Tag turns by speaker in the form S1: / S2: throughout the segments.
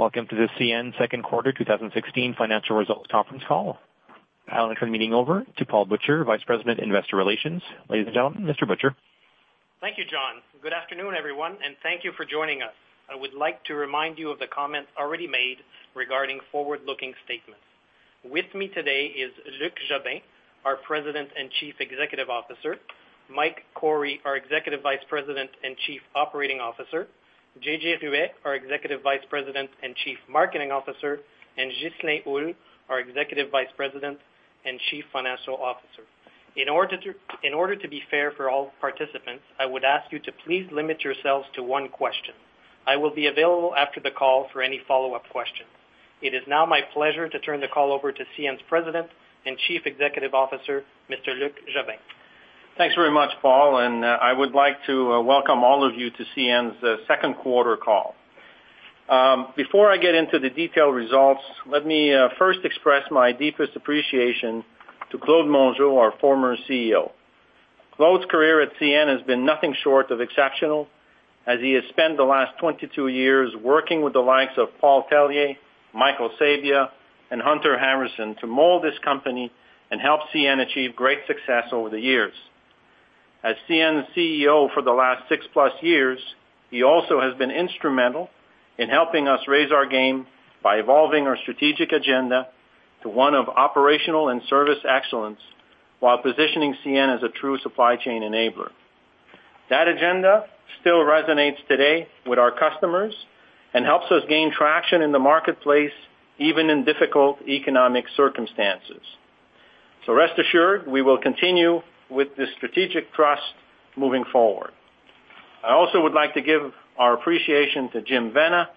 S1: Welcome to the CN second quarter 2016 financial results conference call. I'll now turn the meeting over to Paul Butcher, Vice President, Investor Relations. Ladies and gentlemen, Mr. Butcher.
S2: Thank you, John. Good afternoon, everyone, and thank you for joining us. I would like to remind you of the comments already made regarding forward-looking statements. With me today is Luc Jobin, our President and Chief Executive Officer; Mike Cory, our Executive Vice President and Chief Operating Officer; J.J. Ruest, our Executive Vice President and Chief Marketing Officer; and Ghislain Houle, our Executive Vice President and Chief Financial Officer. In order to be fair for all participants, I would ask you to please limit yourselves to one question. I will be available after the call for any follow-up questions. It is now my pleasure to turn the call over to CN's President and Chief Executive Officer, Mr. Luc Jobin.
S3: Thanks very much, Paul, and I would like to welcome all of you to CN's second quarter call. Before I get into the detailed results, let me first express my deepest appreciation to Claude Mongeau, our former CEO. Claude's career at CN has been nothing short of exceptional, as he has spent the last 22 years working with the likes of Paul Tellier, Michael Sabia, and Hunter Harrison to mold this company and help CN achieve great success over the years. As CN CEO for the last six plus years, he also has been instrumental in helping us raise our game by evolving our strategic agenda to one of operational and service excellence, while positioning CN as a true supply chain enabler. That agenda still resonates today with our customers and helps us gain traction in the marketplace, even in difficult economic circumstances. So rest assured, we will continue with this strategic trust moving forward. I also would like to give our appreciation to Jim Vena,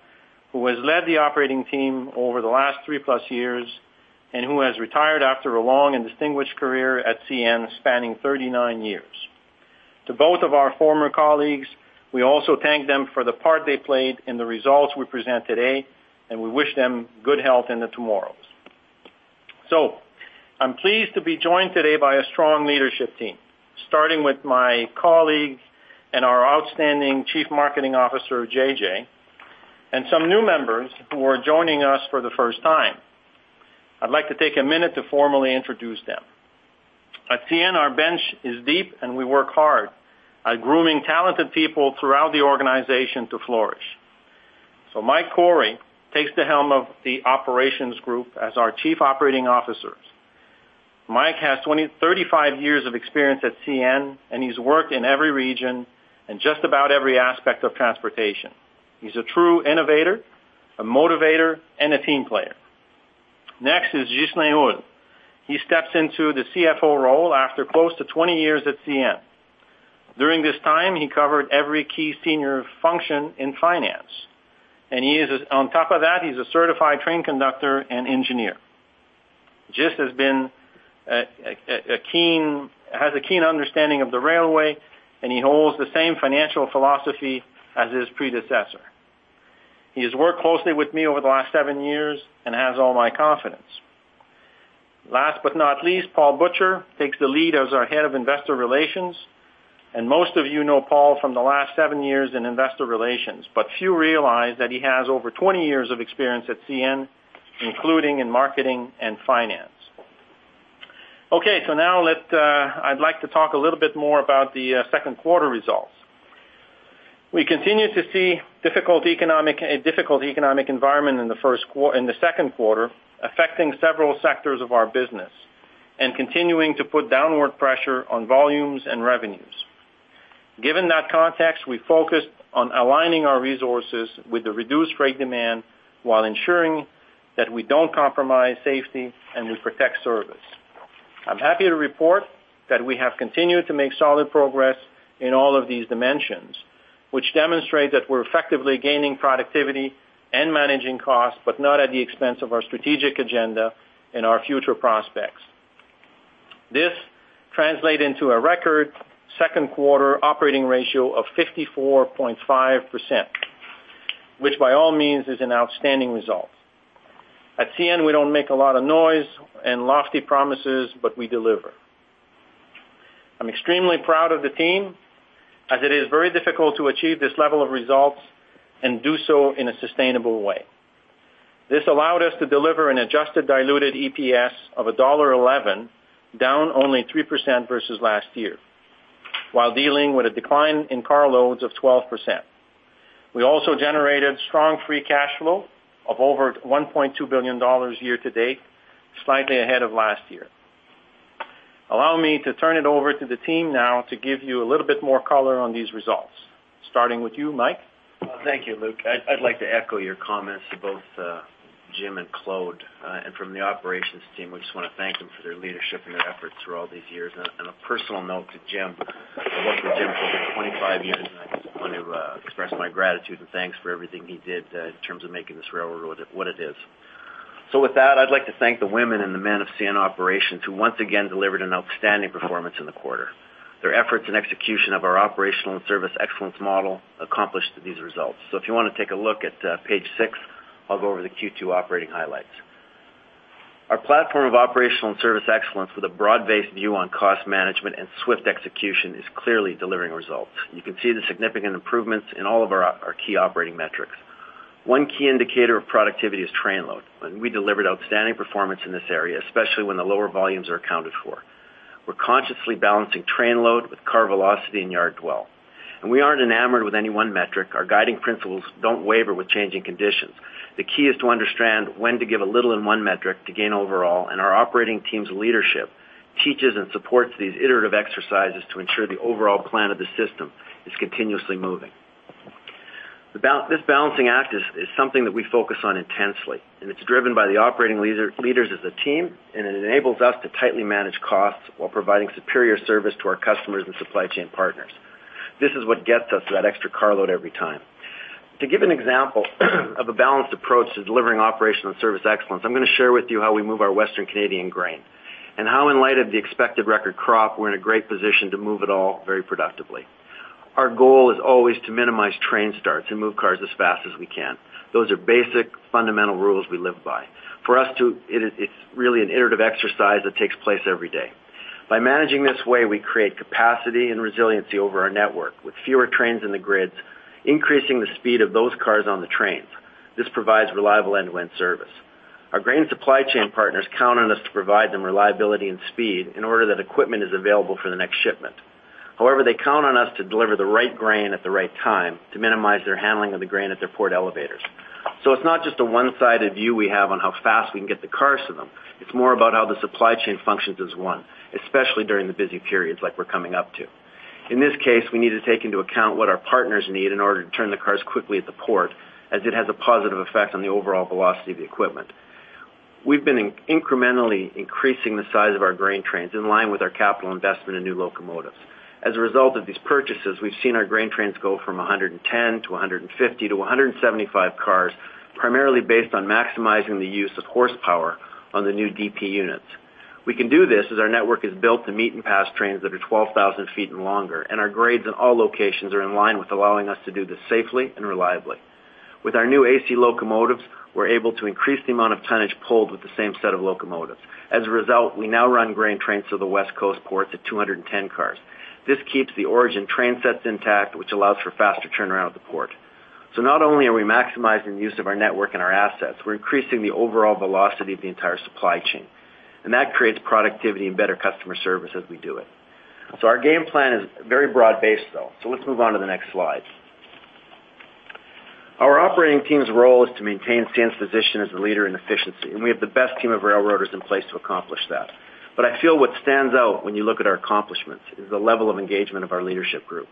S3: who has led the operating team over the last three plus years and who has retired after a long and distinguished career at CN, spanning 39 years. To both of our former colleagues, we also thank them for the part they played in the results we present today, and we wish them good health in the tomorrows. So I'm pleased to be joined today by a strong leadership team, starting with my colleague and our outstanding Chief Marketing Officer, JJ, and some new members who are joining us for the first time. I'd like to take a minute to formally introduce them. At CN, our bench is deep, and we work hard at grooming talented people throughout the organization to flourish. So Mike Cory takes the helm of the operations group as our Chief Operating Officer. Mike has 35 years of experience at CN, and he's worked in every region and just about every aspect of transportation. He's a true innovator, a motivator, and a team player. Next is Ghislain Houle. He steps into the CFO role after close to 20 years at CN. During this time, he covered every key senior function in finance, and he is, on top of that, he's a certified train conductor and engineer. Ghislain has a keen understanding of the railway, and he holds the same financial philosophy as his predecessor. He has worked closely with me over the last seven years and has all my confidence. Last but not least, Paul Butcher takes the lead as our Head of Investor Relations, and most of you know Paul from the last seven years in investor relations. But few realize that he has over 20 years of experience at CN, including in marketing and finance. Okay, so now let's, I'd like to talk a little bit more about the second quarter results. We continue to see difficult economic, a difficult economic environment in the second quarter, affecting several sectors of our business and continuing to put downward pressure on volumes and revenues. Given that context, we focused on aligning our resources with the reduced freight demand, while ensuring that we don't compromise safety and we protect service. I'm happy to report that we have continued to make solid progress in all of these dimensions, which demonstrate that we're effectively gaining productivity and managing costs, but not at the expense of our strategic agenda and our future prospects. This translate into a record second quarter operating ratio of 54.5%, which by all means, is an outstanding result. At CN, we don't make a lot of noise and lofty promises, but we deliver. I'm extremely proud of the team, as it is very difficult to achieve this level of results and do so in a sustainable way. This allowed us to deliver an adjusted diluted EPS of $1.11, down only 3% versus last year, while dealing with a decline in carloads of 12%. We also generated strong free cash flow of over $1.2 billion year to date, slightly ahead of last year. Allow me to turn it over to the team now to give you a little bit more color on these results, starting with you, Mike.
S1: Thank you, Luc. I'd like to echo your comments to both Jim and Claude. And from the operations team, we just wanna thank them for their leadership and their efforts through all these years. And on a personal note to Jim, I worked with Jim for over 25 years, and I just want to express my gratitude and thanks for everything he did in terms of making this railroad what it is. So with that, I'd like to thank the women and the men of CN Operations, who once again delivered an outstanding performance in the quarter. Their efforts and execution of our operational and service excellence model accomplished these results. So if you wanna take a look at page six, I'll go over the Q2 operating highlights. Our platform of operational and service excellence with a broad-based view on cost management and swift execution is clearly delivering results. You can see the significant improvements in all of our key operating metrics. One key indicator of productivity is train load, and we delivered outstanding performance in this area, especially when the lower volumes are accounted for. We're consciously balancing train load with car velocity and yard dwell, and we aren't enamored with any one metric. Our guiding principles don't waver with changing conditions. The key is to understand when to give a little in one metric to gain overall, and our operating team's leadership teaches and supports these iterative exercises to ensure the overall plan of the system is continuously moving. This balancing act is something that we focus on intensely, and it's driven by the operating leaders as a team, and it enables us to tightly manage costs while providing superior service to our customers and supply chain partners. This is what gets us that extra carload every time. To give an example of a balanced approach to delivering operational and service excellence, I'm gonna share with you how we move our Western Canadian grain, and how, in light of the expected record crop, we're in a great position to move it all very productively. Our goal is always to minimize train starts and move cars as fast as we can. Those are basic, fundamental rules we live by. It's really an iterative exercise that takes place every day. By managing this way, we create capacity and resiliency over our network, with fewer trains in the grids, increasing the speed of those cars on the trains. This provides reliable end-to-end service. Our grain supply chain partners count on us to provide them reliability and speed in order that equipment is available for the next shipment. However, they count on us to deliver the right grain at the right time to minimize their handling of the grain at their port elevators. So it's not just a one-sided view we have on how fast we can get the cars to them. It's more about how the supply chain functions as one, especially during the busy periods like we're coming up to. In this case, we need to take into account what our partners need in order to turn the cars quickly at the port, as it has a positive effect on the overall velocity of the equipment. We've been incrementally increasing the size of our grain trains in line with our capital investment in new locomotives. As a result of these purchases, we've seen our grain trains go from 110-150-175 cars, primarily based on maximizing the use of horsepower on the new DP units. We can do this as our network is built to meet and pass trains that are 12,000 feet and longer, and our grades in all locations are in line with allowing us to do this safely and reliably. With our new AC locomotives, we're able to increase the amount of tonnage pulled with the same set of locomotives. As a result, we now run grain trains to the West Coast port to 210 cars. This keeps the origin train sets intact, which allows for faster turnaround at the port. So not only are we maximizing use of our network and our assets, we're increasing the overall velocity of the entire supply chain, and that creates productivity and better customer service as we do it. So our game plan is very broad-based, though, so let's move on to the next slide. Our operating team's role is to maintain CN's position as the leader in efficiency, and we have the best team of railroaders in place to accomplish that. But I feel what stands out when you look at our accomplishments is the level of engagement of our leadership group.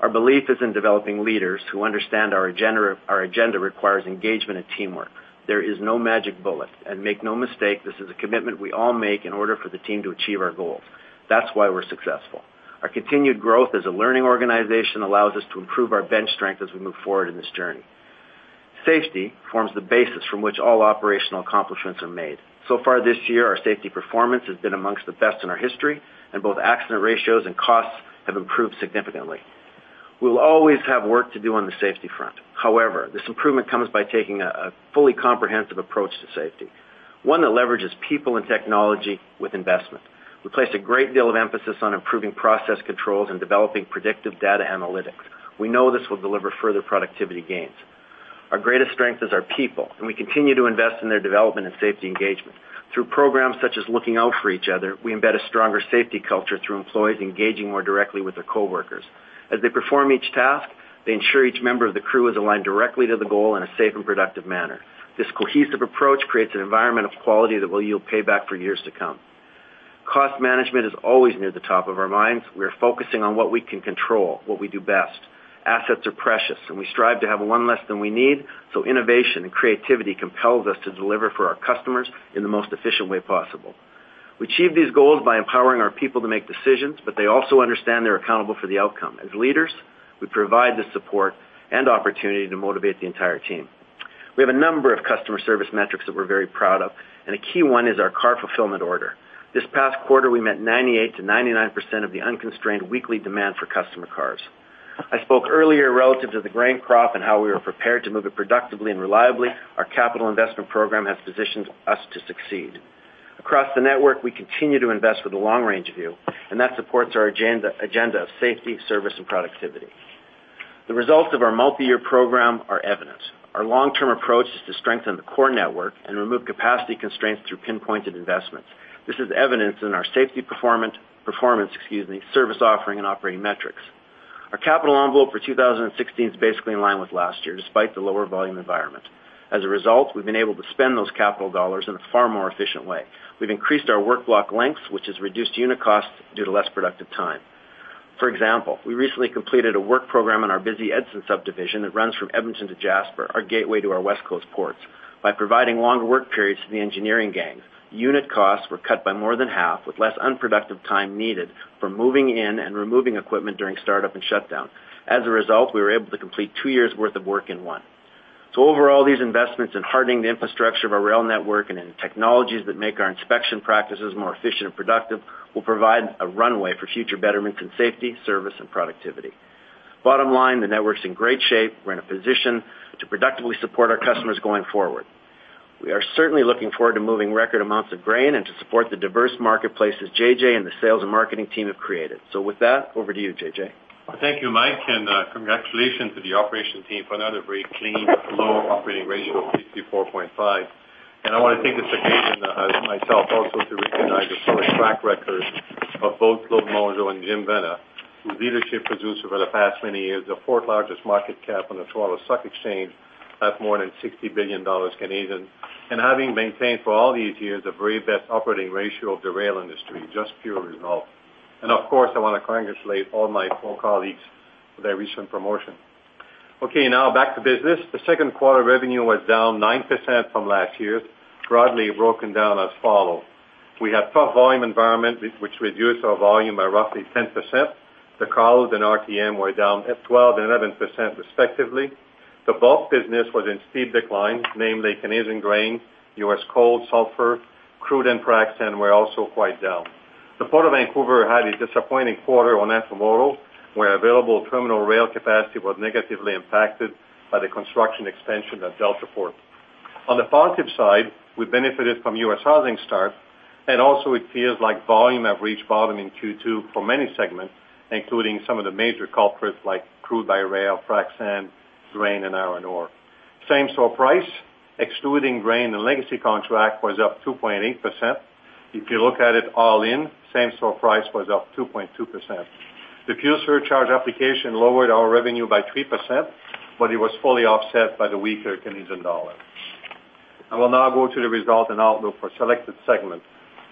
S1: Our belief is in developing leaders who understand our agenda, our agenda requires engagement and teamwork. There is no magic bullet. And make no mistake, this is a commitment we all make in order for the team to achieve our goals. That's why we're successful. Our continued growth as a learning organization allows us to improve our bench strength as we move forward in this journey. Safety forms the basis from which all operational accomplishments are made. So far this year, our safety performance has been among the best in our history, and both accident ratios and costs have improved significantly. We will always have work to do on the safety front. However, this improvement comes by taking a fully comprehensive approach to safety, one that leverages people and technology with investment. We place a great deal of emphasis on improving process controls and developing predictive data analytics. We know this will deliver further productivity gains. Our greatest strength is our people, and we continue to invest in their development and safety engagement. Through programs such as Looking Out for Each Other, we embed a stronger safety culture through employees engaging more directly with their coworkers. As they perform each task, they ensure each member of the crew is aligned directly to the goal in a safe and productive manner. This cohesive approach creates an environment of quality that will yield payback for years to come. Cost management is always near the top of our minds. We are focusing on what we can control, what we do best. Assets are precious, and we strive to have one less than we need, so innovation and creativity compels us to deliver for our customers in the most efficient way possible. We achieve these goals by empowering our people to make decisions, but they also understand they're accountable for the outcome. As leaders, we provide the support and opportunity to motivate the entire team. We have a number of customer service metrics that we're very proud of, and a key one is our car fulfillment order. This past quarter, we met 98%-99% of the unconstrained weekly demand for customer cars. I spoke earlier relative to the grain crop and how we were prepared to move it productively and reliably. Our capital investment program has positioned us to succeed. Across the network, we continue to invest with a long-range view, and that supports our agenda, agenda of safety, service, and productivity. The results of our multi-year program are evident. Our long-term approach is to strengthen the core network and remove capacity constraints through pinpointed investments. This is evidenced in our safety performance, excuse me, service offering, and operating metrics. Our capital envelope for 2016 is basically in line with last year, despite the lower volume environment. As a result, we've been able to spend those capital dollars in a far more efficient way. We've increased our work block lengths, which has reduced unit costs due to less productive time. For example, we recently completed a work program on our busy Edson Subdivision that runs from Edmonton to Jasper, our gateway to our West Coast ports. By providing longer work periods to the engineering gangs, unit costs were cut by more than half, with less unproductive time needed for moving in and removing equipment during startup and shutdown. As a result, we were able to complete two years' worth of work in one. So overall, these investments in hardening the infrastructure of our rail network and in technologies that make our inspection practices more efficient and productive, will provide a runway for future betterment in safety, service, and productivity... Bottom line, the network's in great shape. We're in a position to productively support our customers going forward. We are certainly looking forward to moving record amounts of grain and to support the diverse marketplace as JJ and the sales and marketing team have created. So with that, over to you, JJ.
S4: Thank you, Mike, and, congratulations to the operations team for another very clean, low operating ratio of 64.5. And I want to take this occasion, myself also, to recognize the solid track record of both Claude Mongeau and Jim Vena, whose leadership produced over the past many years, the fourth largest market cap on the Toronto Stock Exchange, at more than 60 billion Canadian dollars, and having maintained for all these years, the very best operating ratio of the rail industry, just pure result. And of course, I want to congratulate all my four colleagues for their recent promotion. Okay, now back to business. The second quarter revenue was down 9% from last year, broadly broken down as follow. We had tough volume environment, which reduced our volume by roughly 10%. The carload and RTM were down at 12 and 11%, respectively. The bulk business was in steep decline, namely Canadian grain, U.S. coal, sulfur, crude, and frac sand were also quite down. The Port of Vancouver had a disappointing quarter on intermodal, where available terminal rail capacity was negatively impacted by the construction expansion of Deltaport. On the positive side, we benefited from U.S. housing start, and also it feels like volume have reached bottom in Q2 for many segments, including some of the major culprits like crude by rail, frac sand, grain, and iron ore. Same store price, excluding grain and legacy contract, was up 2.8%. If you look at it all in, same store price was up 2.2%. The fuel surcharge application lowered our revenue by 3%, but it was fully offset by the weaker Canadian dollar. I will now go to the result and outlook for selected segments,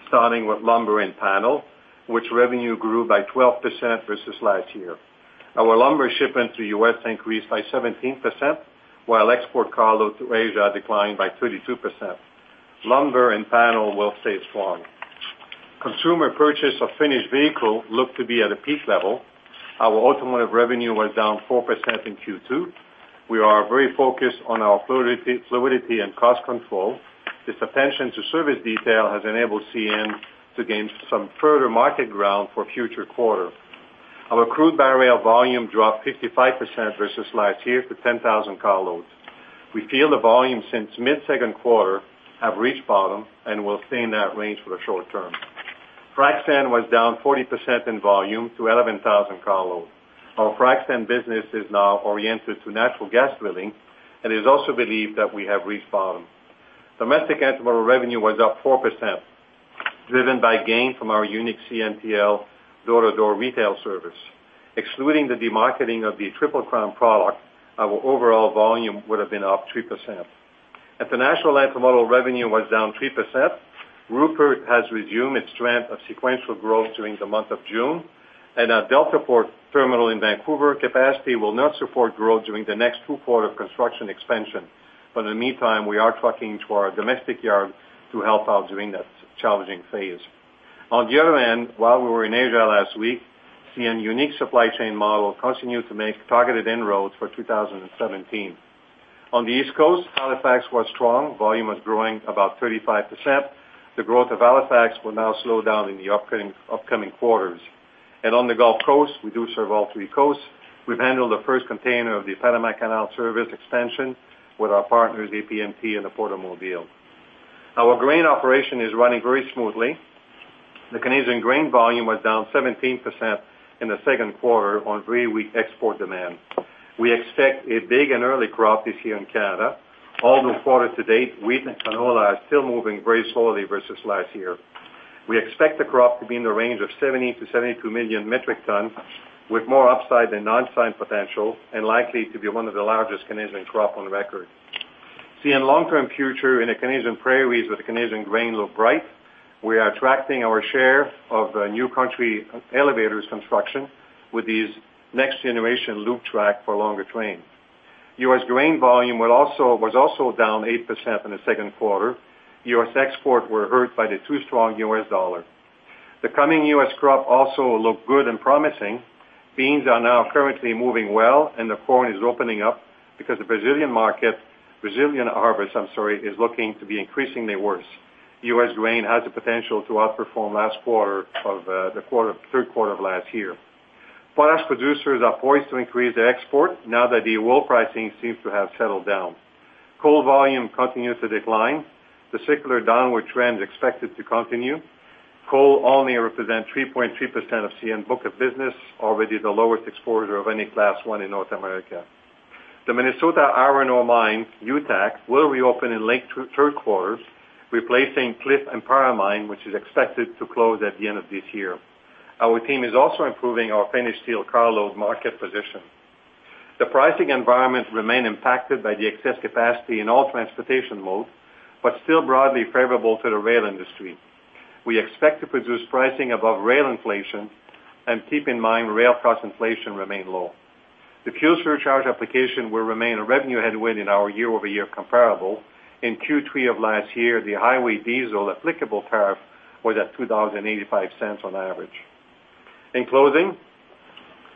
S4: starting with lumber and panel, which revenue grew by 12% versus last year. Our lumber shipment to U.S. increased by 17%, while export carload to Asia declined by 32%. Lumber and panel will stay strong. Consumer purchase of finished vehicle look to be at a peak level. Our automotive revenue was down 4% in Q2. We are very focused on our fluidity, fluidity and cost control. This attention to service detail has enabled CN to gain some further market ground for future quarter. Our crude by rail volume dropped 55% versus last year to 10,000 carloads. We feel the volume since mid-second quarter have reached bottom and will stay in that range for the short term. Frac sand was down 40% in volume to 11,000 carload. Our frac sand business is now oriented to natural gas drilling, and it is also believed that we have reached bottom. Domestic intermodal revenue was up 4%, driven by gain from our unique CNTL door-to-door retail service. Excluding the demarketing of the Triple Crown product, our overall volume would have been up 3%. At the national intermodal, revenue was down 3%. Rupert has resumed its trend of sequential growth during the month of June, and our Deltaport terminal in Vancouver capacity will not support growth during the next two quarter construction expansion. But in the meantime, we are trucking to our domestic yard to help out during that challenging phase. On the other hand, while we were in Asia last week, CN unique supply chain model continued to make targeted inroads for 2017. On the East Coast, Halifax was strong. Volume was growing about 35%. The growth of Halifax will now slow down in the upcoming quarters. On the Gulf Coast, we do serve all three coasts. We've handled the first container of the Panama Canal service expansion with our partners, APM and the Port of Mobile. Our grain operation is running very smoothly. The Canadian grain volume was down 17% in the second quarter on very weak export demand. We expect a big and early crop this year in Canada. All through quarter to date, wheat and canola are still moving very slowly versus last year. We expect the crop to be in the range of 70-72 million metric tons, with more upside than downside potential, and likely to be one of the largest Canadian crop on record. CN long-term future in the Canadian prairies with the Canadian grain look bright. We are attracting our share of new country elevators construction with these next generation loop track for longer trains. U.S. grain volume was also down 8% in the second quarter. U.S. export were hurt by the too strong U.S. dollar. The coming U.S. crop also look good and promising. Beans are now currently moving well, and the corn is opening up because the Brazilian market, Brazilian harvest, I'm sorry, is looking to be increasingly worse. U.S. grain has the potential to outperform last quarter of the quarter, third quarter of last year. Forest producers are poised to increase their export now that the oil pricing seems to have settled down. Coal volume continues to decline. The circular downward trend is expected to continue. Coal only represents 3.3% of CN's book of business, already the lowest exporter of any Class I in North America. The Minnesota iron ore mine, UTAC, will reopen in late third quarter, replacing Cliff and Empire Mine, which is expected to close at the end of this year. Our team is also improving our finished steel carload market position. The pricing environment remains impacted by the excess capacity in all transportation mode, but still broadly favorable to the rail industry. We expect to produce pricing above rail inflation, and keep in mind, rail cost inflation remains low. The fuel surcharge application will remain a revenue headwind in our year-over-year comparable. In Q3 of last year, the highway diesel applicable tariff was at $2.85 on average. In closing,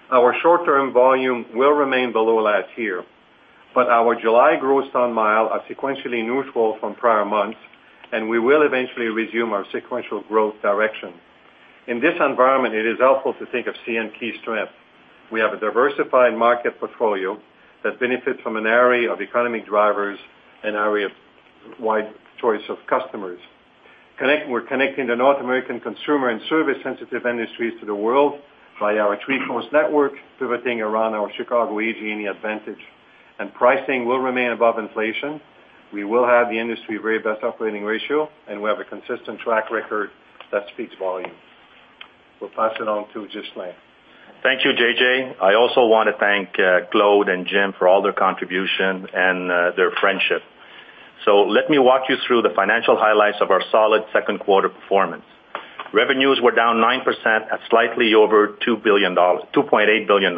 S4: our short-term volume will remain below last year. but our July gross ton-mile are sequentially neutral from prior months, and we will eventually resume our sequential growth direction. In this environment, it is helpful to think of CN key strength. We have a diversified market portfolio that benefits from an array of economic drivers, an array of wide choice of customers. Connect-- We're connecting the North American consumer and service sensitive industries to the world by our three-coast network, pivoting around ourChicago EJ&E advantage, and pricing will remain above inflation. We will have the industry very best operating ratio, and we have a consistent track record that speaks volumes. We'll pass it on to Ghislain.
S5: Thank you, JJ. I also want to thank Claude and Jim for all their contribution and their friendship. So let me walk you through the financial highlights of our solid second quarter performance. Revenues were down 9% at slightly over $2 billion-$2.8 billion.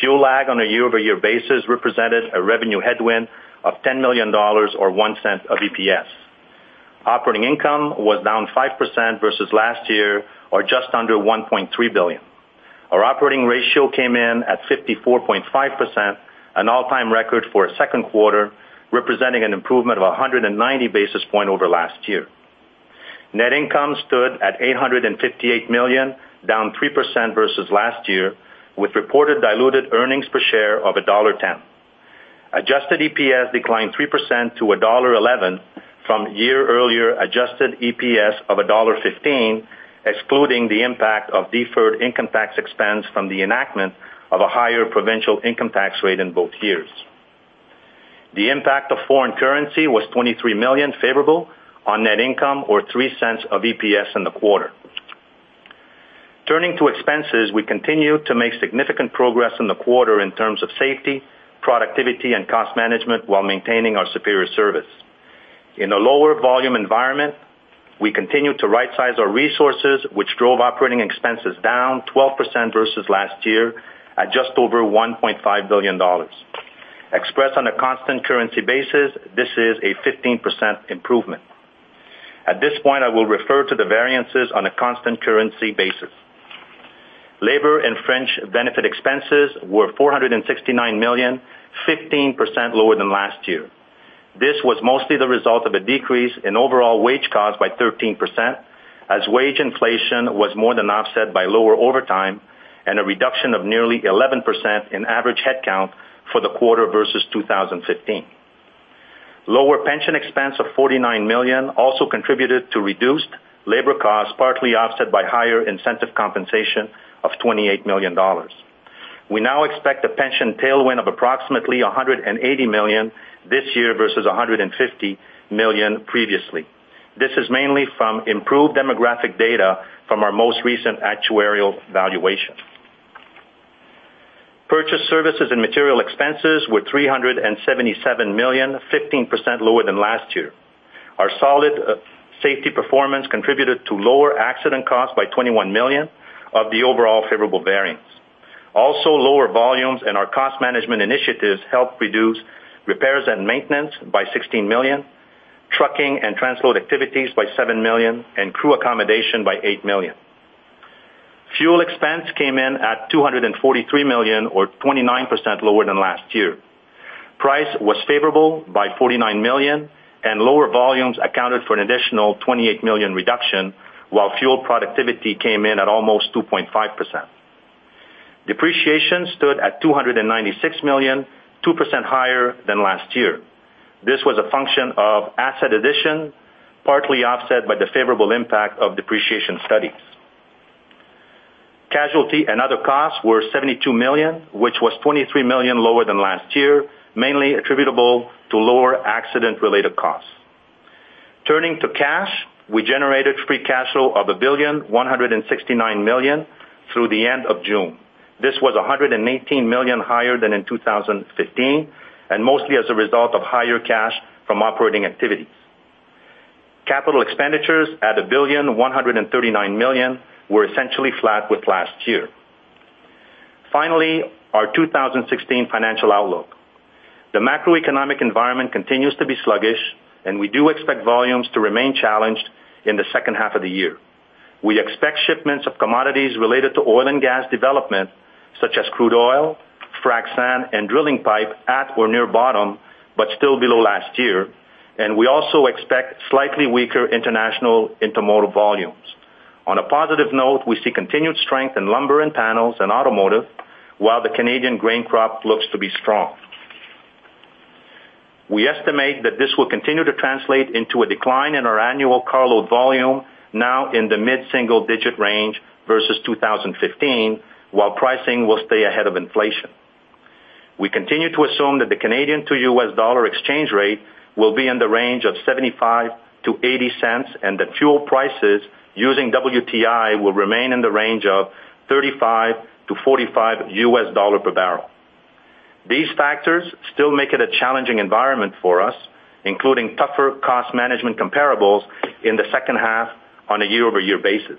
S5: Fuel lag on a year-over-year basis represented a revenue headwind of $10 million or $0.01 of EPS. Operating income was down 5% versus last year, or just under $1.3 billion. Our operating ratio came in at 54.5%, an all-time record for a second quarter, representing an improvement of 190 basis points over last year. Net income stood at $858 million, down 3% versus last year, with reported diluted earnings per share of $1.10. Adjusted EPS declined 3% to $1.11 from year earlier adjusted EPS of $1.15, excluding the impact of deferred income tax expense from the enactment of a higher provincial income tax rate in both years. The impact of foreign currency was $23 million favorable on net income or $0.03 of EPS in the quarter. Turning to expenses, we continue to make significant progress in the quarter in terms of safety, productivity, and cost management, while maintaining our superior service. In a lower volume environment, we continue to rightsize our resources, which drove operating expenses down 12% versus last year at just over $1.5 billion. Expressed on a constant currency basis, this is a 15% improvement. At this point, I will refer to the variances on a constant currency basis. Labor and fringe benefit expenses were $469 million, 15% lower than last year. This was mostly the result of a decrease in overall wage costs by 13%, as wage inflation was more than offset by lower overtime and a reduction of nearly 11% in average headcount for the quarter versus 2015. Lower pension expense of $49 million also contributed to reduced labor costs, partly offset by higher incentive compensation of $28 million. We now expect a pension tailwind of approximately $180 million this year versus $150 million previously. This is mainly from improved demographic data from our most recent actuarial valuation. Purchase services and material expenses were $377 million, 15% lower than last year. Our solid safety performance contributed to lower accident costs by $21 million of the overall favorable variance. Also, lower volumes and our cost management initiatives helped reduce repairs and maintenance by $16 million, trucking and transload activities by $7 million, and crew accommodation by $8 million. Fuel expense came in at $243 million, or 29% lower than last year. Price was favorable by $49 million, and lower volumes accounted for an additional $28 million reduction, while fuel productivity came in at almost 2.5%. Depreciation stood at $296 million, 2% higher than last year. This was a function of asset addition, partly offset by the favorable impact of depreciation studies. Casualty and other costs were $72 million, which was $23 million lower than last year, mainly attributable to lower accident-related costs. Turning to cash, we generated free cash flow of $1,169 million through the end of June. This was $118 million higher than in 2015, and mostly as a result of higher cash from operating activities. Capital expenditures at $1,139 million were essentially flat with last year. Finally, our 2016 financial outlook. The macroeconomic environment continues to be sluggish, and we do expect volumes to remain challenged in the second half of the year. We expect shipments of commodities related to oil and gas development, such as crude oil, frac sand, and drilling pipe, at or near bottom, but still below last year, and we also expect slightly weaker international intermodal volumes. On a positive note, we see continued strength in lumber and panels and automotive, while the Canadian grain crop looks to be strong. We estimate that this will continue to translate into a decline in our annual carload volume, now in the mid-single digit range versus 2015, while pricing will stay ahead of inflation. We continue to assume that the Canadian to U.S. dollar exchange rate will be in the range of $0.75-$0.80, and that fuel prices using WTI will remain in the range of $35-$45 per barrel. These factors still make it a challenging environment for us, including tougher cost management comparables in the second half on a year-over-year basis.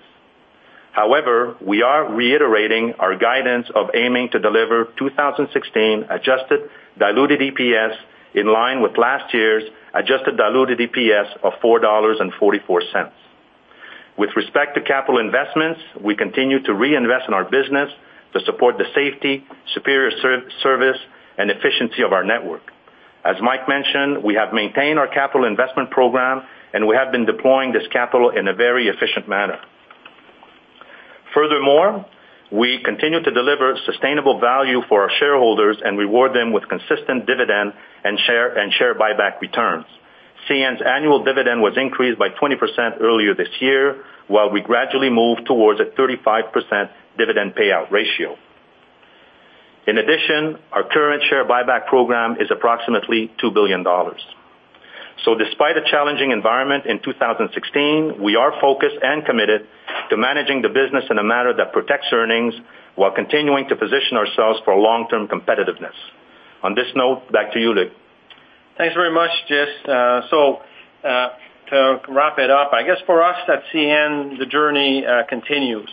S5: However, we are reiterating our guidance of aiming to deliver 2016 adjusted diluted EPS in line with last year's adjusted diluted EPS of $4.44. With respect to capital investments, we continue to reinvest in our business to support the safety, superior service, and efficiency of our network. As Mike mentioned, we have maintained our capital investment program, and we have been deploying this capital in a very efficient manner. Furthermore, we continue to deliver sustainable value for our shareholders and reward them with consistent dividend and share, and share buyback returns. CN's annual dividend was increased by 20% earlier this year, while we gradually move towards a 35% dividend payout ratio. In addition, our current share buyback program is approximately $2 billion. Despite a challenging environment in 2016, we are focused and committed to managing the business in a manner that protects earnings, while continuing to position ourselves for long-term competitiveness. On this note, back to you, Luc.
S3: Thanks very much, Jess. So, to wrap it up, I guess for us at CN, the journey continues.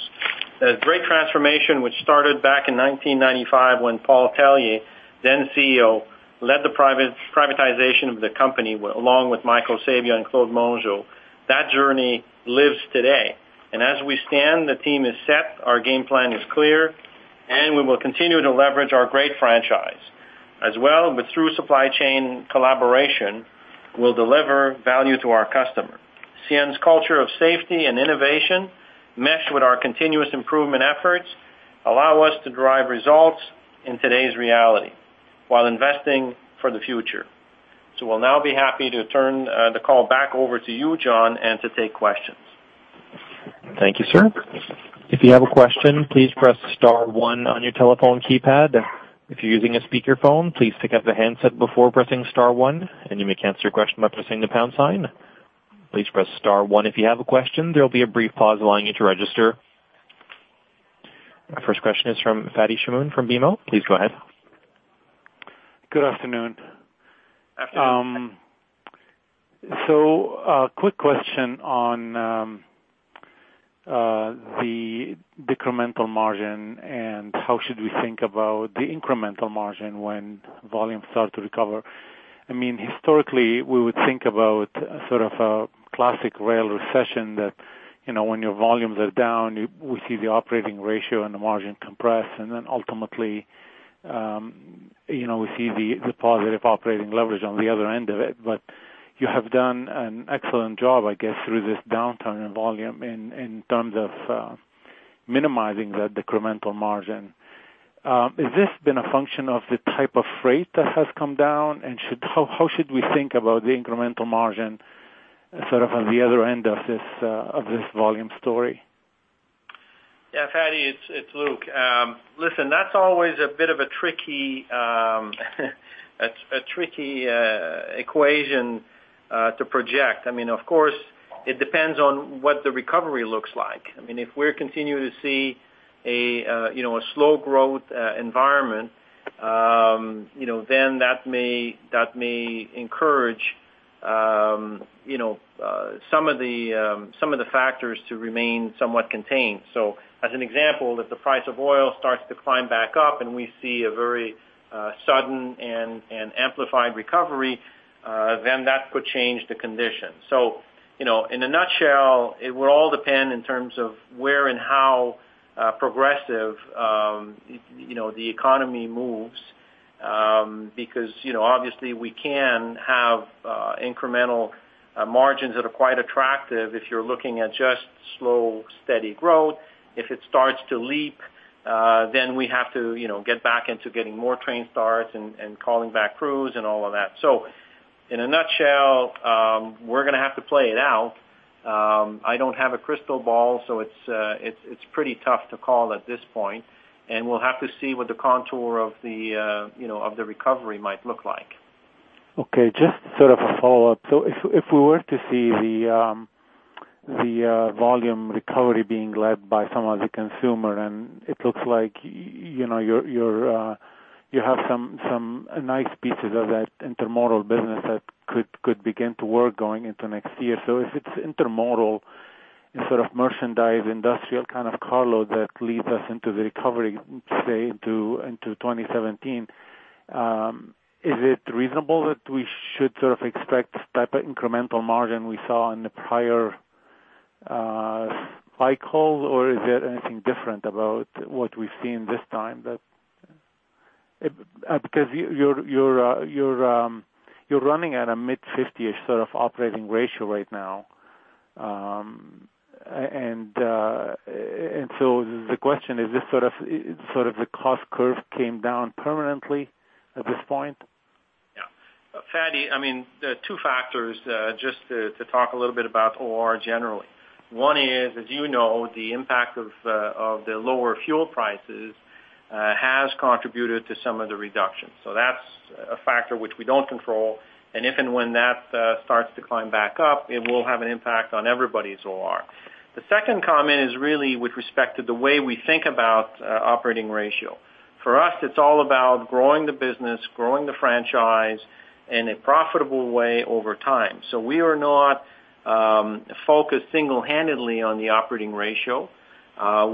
S3: A great transformation, which started back in 1995, when Paul Tellier, then CEO, led the privatization of the company, along with Mike Sabia and Claude Mongeau. That journey lives today. As we stand, the team is set, our game plan is clear, and we will continue to leverage our great franchise. As well, but through supply chain collaboration, we'll deliver value to our customer. CN's culture of safety and innovation, meshed with our continuous improvement efforts, allow us to drive results in today's reality while investing for the future. So we'll now be happy to turn the call back over to you, John, and to take questions.
S6: Thank you, sir. If you have a question, please press star one on your telephone keypad. If you're using a speakerphone, please pick up the handset before pressing star one, and you may cancel your question by pressing the pound sign. Please press star one if you have a question. There'll be a brief pause allowing you to register. Our first question is from Fadi Chamoun, from BMO. Please go ahead.
S7: Good afternoon.
S3: Afternoon.
S7: So, a quick question on the decremental margin and how should we think about the incremental margin when volumes start to recover? I mean, historically, we would think about sort of a classic rail recession that, you know, when your volumes are down, we see the operating ratio and the margin compress, and then ultimately, you know, we see the positive operating leverage on the other end of it. But you have done an excellent job, I guess, through this downturn in volume in terms of minimizing that decremental margin. Has this been a function of the type of freight that has come down, and how should we think about the incremental margin, sort of on the other end of this volume story?
S3: Yeah, Fadi, it's Luc. Listen, that's always a bit of a tricky equation to project. I mean, of course, it depends on what the recovery looks like. I mean, if we're continuing to see a, you know, a slow growth environment, you know, then that may encourage, you know, some of the factors to remain somewhat contained. So as an example, if the price of oil starts to climb back up and we see a very sudden and amplified recovery, then that could change the condition. So, you know, in a nutshell, it will all depend in terms of where and how progressive, you know, the economy moves. Because, you know, obviously, we can have incremental margins that are quite attractive if you're looking at just slow, steady growth. If it starts to leap, then we have to, you know, get back into getting more train starts and calling back crews and all of that. So in a nutshell, we're gonna have to play it out. I don't have a crystal ball, so it's pretty tough to call at this point, and we'll have to see what the contour of the, you know, of the recovery might look like.
S7: Okay, just sort of a follow-up. So if we were to see the volume recovery being led by some of the consumer, and it looks like, you know, you have some nice pieces of that intermodal business that could begin to work going into next year. So if it's intermodal and sort of merchandise, industrial kind of cargo load that leads us into the recovery, say, into 2017, is it reasonable that we should sort of expect the type of incremental margin we saw in the prior cycles? Or is there anything different about what we've seen this time that... because you're running at a mid-fifties sort of operating ratio right now. So the question: Is this sort of, sort of the cost curve came down permanently at this point?
S3: Yeah. Fadi, I mean, there are two factors, just to talk a little bit about OR generally. One is, as you know, the impact of the lower fuel prices has contributed to some of the reductions. So that's a factor which we don't control, and if and when that starts to climb back up, it will have an impact on everybody's OR. The second comment is really with respect to the way we think about operating ratio. For us, it's all about growing the business, growing the franchise in a profitable way over time. So we are not focused single-handedly on the operating ratio.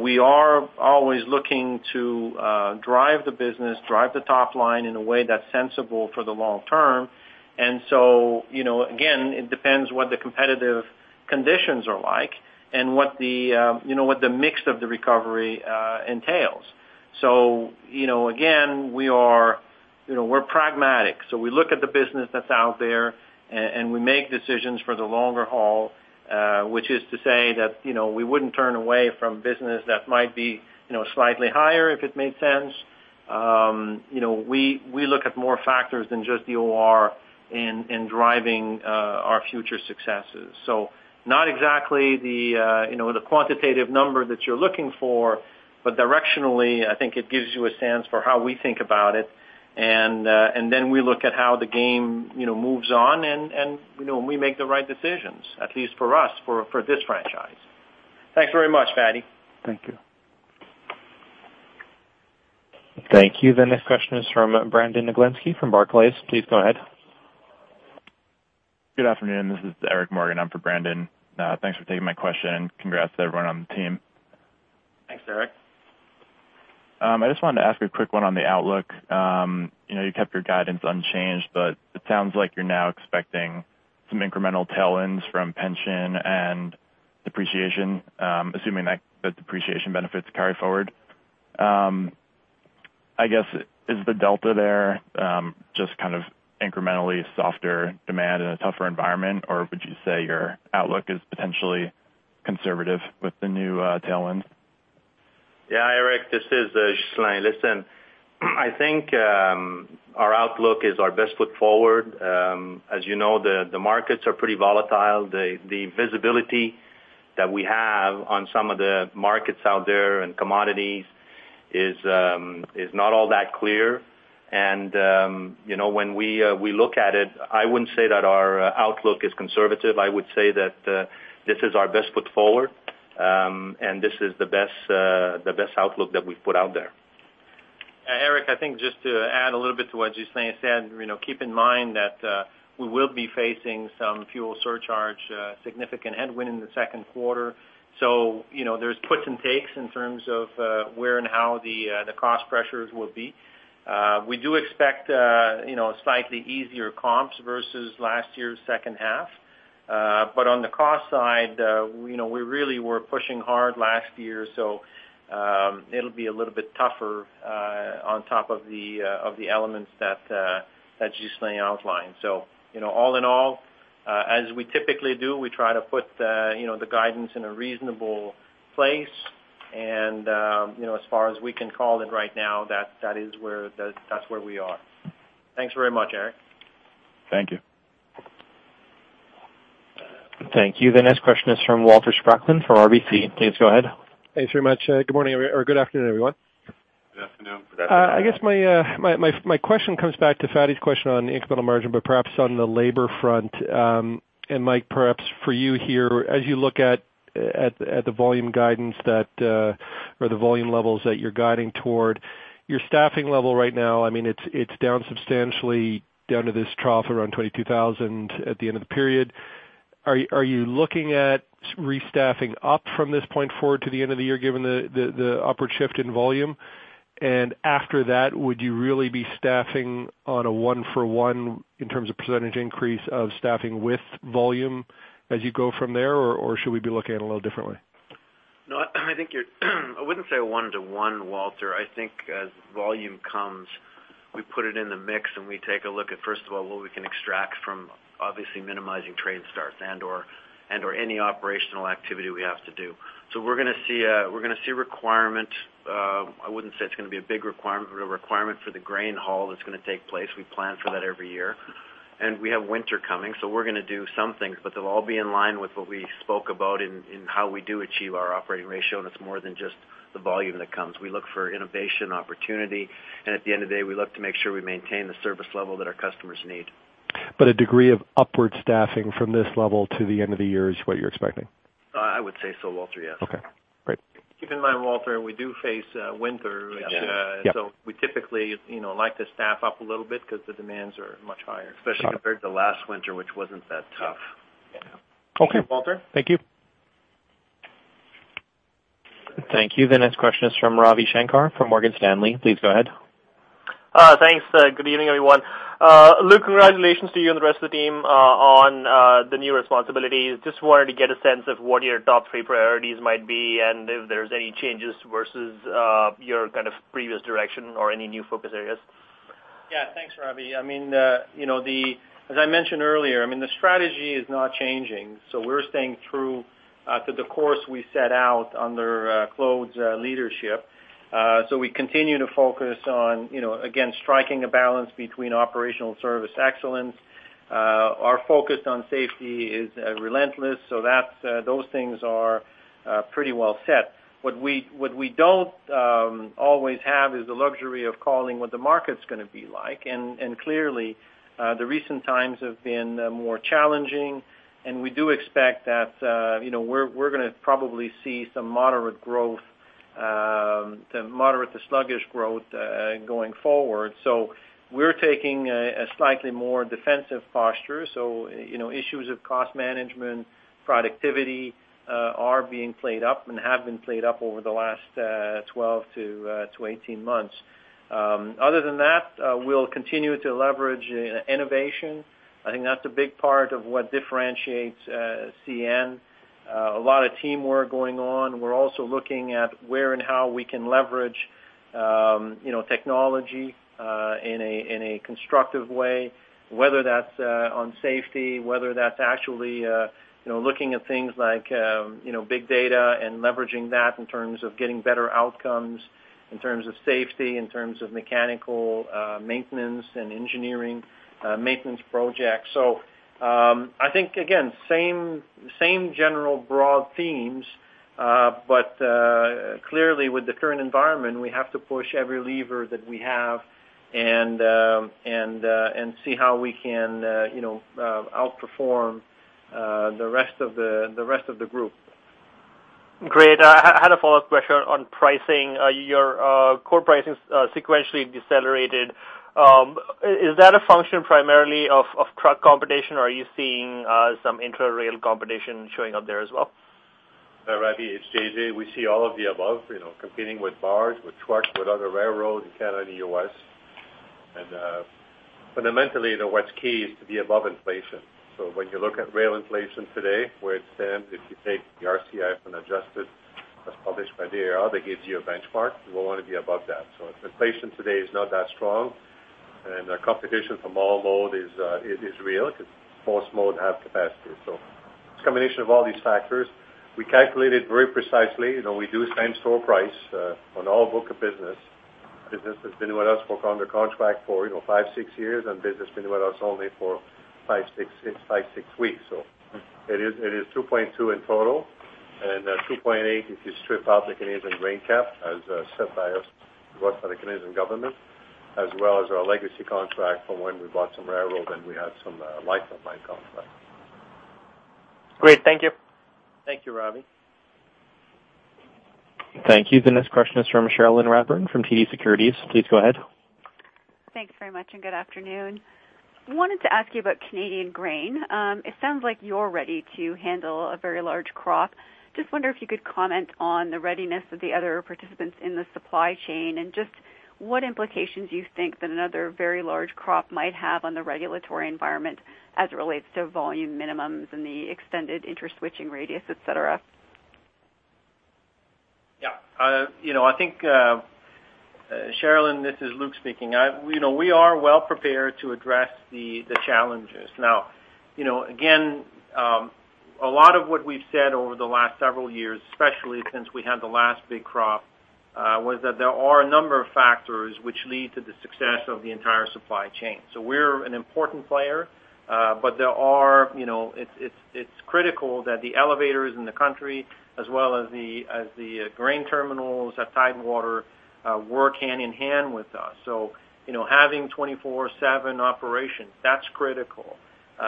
S3: We are always looking to drive the business, drive the top line in a way that's sensible for the long term. And so, you know, again, it depends what the competitive conditions are like and what the, you know, what the mix of the recovery entails. So, you know, again, we are, you know, we're pragmatic. So we look at the business that's out there, and we make decisions for the longer haul, which is to say that, you know, we wouldn't turn away from business that might be, you know, slightly higher if it made sense. You know, we look at more factors than just the OR in driving our future successes. So not exactly the, you know, the quantitative number that you're looking for, but directionally, I think it gives you a sense for how we think about it. And then we look at how the game, you know, moves on and, you know, we make the right decisions, at least for us, for this franchise. Thanks very much, Fadi.
S7: Thank you.
S6: Thank you. The next question is from Brandon Oglenski from Barclays. Please go ahead.
S8: Good afternoon. This is Eric Morgan, in for Brandon. Thanks for taking my question. Congrats to everyone on the team.
S3: Thanks, Eric.
S8: I just wanted to ask a quick one on the outlook. You know, you kept your guidance unchanged, but it sounds like you're now expecting some incremental tailwinds from pension and depreciation, assuming that the depreciation benefits carry forward. I guess, is the delta there, just kind of incrementally softer demand in a tougher environment, or would you say your outlook is potentially conservative with the new tailwind?
S5: Yeah, Eric, this is Ghislain. Listen, I think our outlook is our best foot forward. As you know, the markets are pretty volatile. The visibility that we have on some of the markets out there and commodities is not all that clear. And you know, when we look at it, I wouldn't say that our outlook is conservative. I would say that this is our best foot forward, and this is the best outlook that we've put out there.
S3: Eric, I think just to add a little bit to what Ghislain said, you know, keep in mind that, we will be facing some fuel surcharge, significant headwind in the second quarter. So, you know, there's puts and takes in terms of, where and how the, the cost pressures will be. We do expect, you know, slightly easier comps versus last year's second half. But on the cost side, you know, we really were pushing hard last year, so, it'll be a little bit tougher, on top of the, of the elements that, that Ghislain outlined. So, you know, all in all, as we typically do, we try to put the, you know, the guidance in a reasonable place. You know, as far as we can call it right now, that is where we are. Thanks very much, Eric.
S8: Thank you.
S6: Thank you. The next question is from Walter Spracklin from RBC. Please go ahead.
S9: Thanks very much. Good morning or good afternoon, everyone.
S3: Good afternoon.
S9: I guess my question comes back to Fadi's question on the incremental margin, but perhaps on the labor front. And Mike, perhaps for you here, as you look at the volume guidance that or the volume levels that you're guiding toward, your staffing level right now, I mean, it's down substantially to this trough around 22,000 at the end of the period. Are you looking at restaffing up from this point forward to the end of the year, given the upward shift in volume? And after that, would you really be staffing on a one-for-one in terms of percentage increase of staffing with volume as you go from there, or should we be looking at it a little differently?
S1: No, I think you're, I wouldn't say one to one, Walter. I think as volume comes, we put it in the mix, and we take a look at, first of all, what we can extract from obviously minimizing trade starts and/or, and/or any operational activity we have to do. So we're gonna see, we're gonna see requirement, I wouldn't say it's gonna be a big requirement, but a requirement for the grain haul that's gonna take place. We plan for that every year. And we have winter coming, so we're gonna do some things, but they'll all be in line with what we spoke about in, in how we do achieve our operating ratio, and it's more than just the volume that comes. We look for innovation, opportunity, and at the end of the day, we look to make sure we maintain the service level that our customers need.
S9: But a degree of upward staffing from this level to the end of the year is what you're expecting?
S1: I would say so, Walter, yes.
S9: Okay, great.
S3: Keep in mind, Walter, we do face winter-
S1: Yeah.
S3: - which,
S9: Yeah.
S3: So we typically, you know, like to staff up a little bit because the demands are much higher.
S9: Got it.
S3: especially compared to last winter, which wasn't that tough.
S1: Yeah.
S9: Okay.
S3: Thank you, Walter.
S9: Thank you.
S6: Thank you. The next question is from Ravi Shankar from Morgan Stanley. Please go ahead.
S10: Thanks. Good evening, everyone. Luc, congratulations to you and the rest of the team on the new responsibilities. Just wanted to get a sense of what your top three priorities might be, and if there's any changes versus your kind of previous direction or any new focus areas?
S3: Yeah, thanks, Ravi. I mean, you know, as I mentioned earlier, I mean, the strategy is not changing, so we're staying true to the course we set out under Claude's leadership. So we continue to focus on, you know, again, striking a balance between operational service excellence. Our focus on safety is relentless, so that's those things are pretty well set. What we don't always have is the luxury of calling what the market's gonna be like. And clearly, the recent times have been more challenging, and we do expect that, you know, we're gonna probably see the moderate to sluggish growth going forward. So we're taking a slightly more defensive posture. So, you know, issues of cost management, productivity, are being played up and have been played up over the last 12-18 months. Other than that, we'll continue to leverage innovation. I think that's a big part of what differentiates CN. A lot of teamwork going on. We're also looking at where and how we can leverage, you know, technology in a constructive way, whether that's on safety, whether that's actually you know, looking at things like you know, big data and leveraging that in terms of getting better outcomes, in terms of safety, in terms of mechanical maintenance and engineering maintenance projects. I think, again, same general broad themes, but clearly, with the current environment, we have to push every lever that we have and see how we can, you know, outperform the rest of the group.
S10: Great. I had a follow-up question on pricing. Your core pricing sequentially decelerated. Is that a function primarily of truck competition, or are you seeing some intra-rail competition showing up there as well?
S4: Ravi, it's JJ. We see all of the above, you know, competing with barges, with trucks, with other railroads in Canada and U.S. And, fundamentally, though, what's key is to be above inflation. So when you look at rail inflation today, where it stands, if you take the RCI and adjust it, as published by the AAR, that gives you a benchmark. You will want to be above that. So inflation today is not that strong, and the competition from all modes is real because all modes have capacity. So it's a combination of all these factors. We calculate it very precisely. You know, we do same-store price on all book of business. Business that's been with us under contract for, you know, five, six years, and business been with us only for five, six weeks. So it is 2.2 in total, and 2.8, if you strip out the Canadian grain cap, as set by the Canadian government, as well as our legacy contract from when we bought some railroads, and we had some life of mine contract.
S10: Great. Thank you.
S3: Thank you, Ravi.
S6: Thank you. The next question is from Cherilyn Radbourne from TD Securities. Please go ahead.
S11: Thanks very much, and good afternoon. I wanted to ask you about Canadian grain. It sounds like you're ready to handle a very large crop. Just wonder if you could comment on the readiness of the other participants in the supply chain, and just what implications you think that another very large crop might have on the regulatory environment as it relates to volume minimums and the extended intra-switching radius, et cetera?
S3: Yeah. You know, I think, Cherilyn, this is Luc speaking. You know, we are well prepared to address the challenges. Now, you know, again, a lot of what we've said over the last several years, especially since we had the last big crop, was that there are a number of factors which lead to the success of the entire supply chain. So we're an important player, but there are, you know... It's critical that the elevators in the country, as well as the grain terminals at Tidewater, work hand in hand with us. So, you know, having 24/7 operation, that's critical.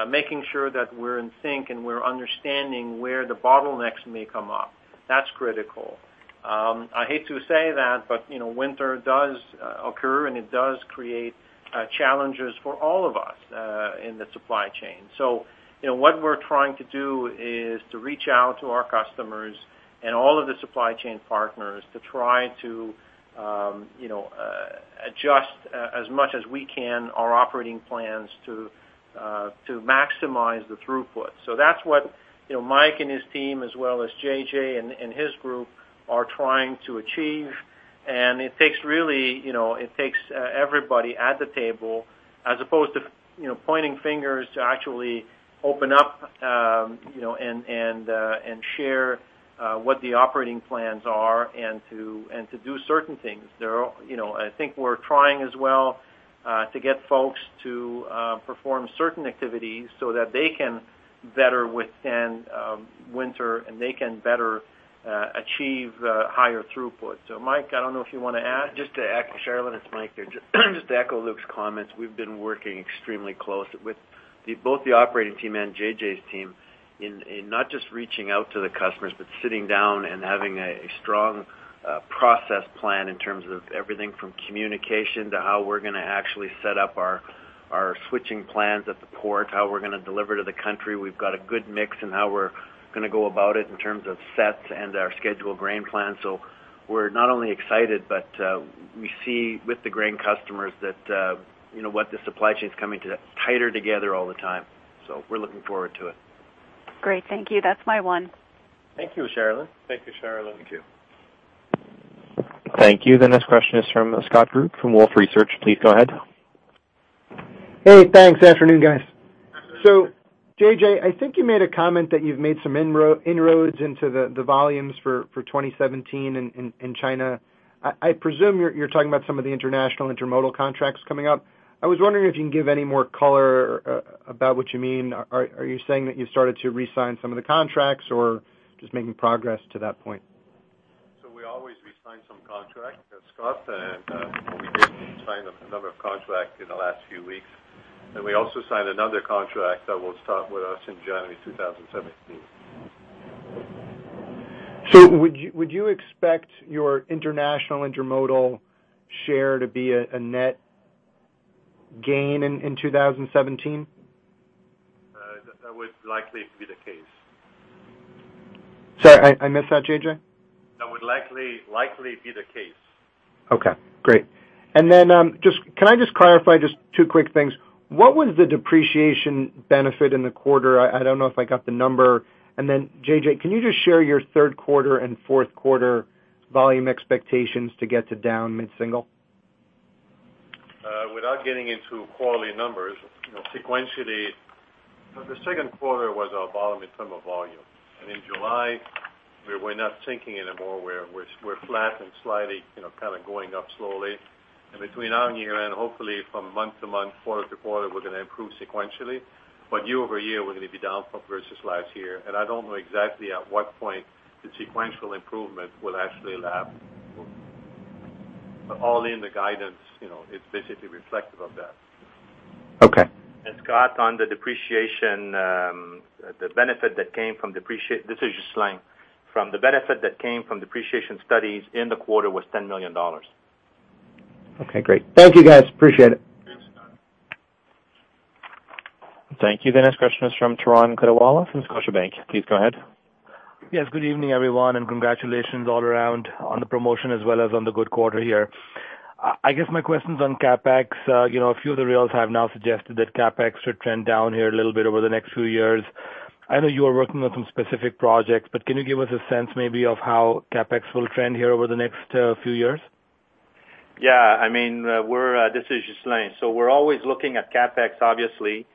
S3: Making sure that we're in sync and we're understanding where the bottlenecks may come up, that's critical. I hate to say that, but, you know, winter does occur, and it does create challenges for all of us in the supply chain. So, you know, what we're trying to do is to reach out to our customers and all of the supply chain partners to try to, you know, adjust as much as we can, our operating plans to maximize the throughput. So that's what, you know, Mike and his team, as well as JJ and his group, are trying to achieve. And it takes really, you know, it takes everybody at the table as opposed to, you know, pointing fingers, to actually open up, you know, and share what the operating plans are and to do certain things. There are, you know, I think we're trying as well to get folks to perform certain activities so that they can better withstand winter, and they can better achieve higher throughput. So Mike, I don't know if you want to add?
S1: Just to add, Cherilyn, it's Mike there. Just to echo Luc's comments, we've been working extremely close with both the operating team and JJ's team in not just reaching out to the customers, but sitting down and having a strong process plan in terms of everything from communication to how we're gonna actually set up our switching plans at the port, how we're gonna deliver to the country. We've got a good mix in how we're gonna go about it in terms of sets and our scheduled grain plan. So we're not only excited, but we see with the grain customers that you know what the supply chain is coming together tighter all the time. So we're looking forward to it.
S11: Great. Thank you. That's my one.
S3: Thank you, Cherilyn.
S4: Thank you, Cherilyn.
S1: Thank you.
S6: Thank you. The next question is from Scott Group from Wolfe Research. Please go ahead.
S12: Hey, thanks. Afternoon, guys. So JJ, I think you made a comment that you've made some inroads into the volumes for 2017 in China. I presume you're talking about some of the international intermodal contracts coming up. I was wondering if you can give any more color about what you mean. Are you saying that you started to re-sign some of the contracts or just making progress to that point?
S4: So we always re-sign some contract, Scott, and we signed a number of contracts in the last few weeks, and we also signed another contract that will start with us in January 2017.
S12: So would you expect your international intermodal share to be a net gain in 2017?
S4: That would likely be the case.
S12: Sorry, I missed that, JJ.
S4: That would likely, likely be the case.
S12: Okay, great. And then, just can I just clarify just two quick things? What was the depreciation benefit in the quarter? I don't know if I got the number. And then JJ, can you just share your third quarter and fourth quarter volume expectations to get to down mid-single?
S4: Without getting into quarterly numbers, you know, sequentially, the second quarter was our bottom in term of volume. And in July, we were not sinking anymore, we're flat and slightly, you know, kind of going up slowly. And between now and year-end, hopefully from month-to-month, quarter-to-quarter, we're gonna improve sequentially. But year-over-year, we're gonna be down versus last year. And I don't know exactly at what point the sequential improvement will actually lap. But all in the guidance, you know, it's basically reflective of that.
S12: Okay.
S5: Scott, on the depreciation, this is Ghislain. From the benefit that came from depreciation studies in the quarter was $10 million.
S12: Okay, great. Thank you, guys. Appreciate it.
S4: Thanks, Scott.
S6: Thank you. The next question is from Turan Quettawala from Scotiabank. Please go ahead.
S13: Yes, good evening, everyone, and congratulations all around on the promotion as well as on the good quarter here. I guess my question's on CapEx. You know, a few of the rails have now suggested that CapEx should trend down here a little bit over the next few years. I know you are working on some specific projects, but can you give us a sense maybe of how CapEx will trend here over the next few years?
S5: Yeah, I mean, we're, this is Ghislain. So we're always looking at CapEx, obviously.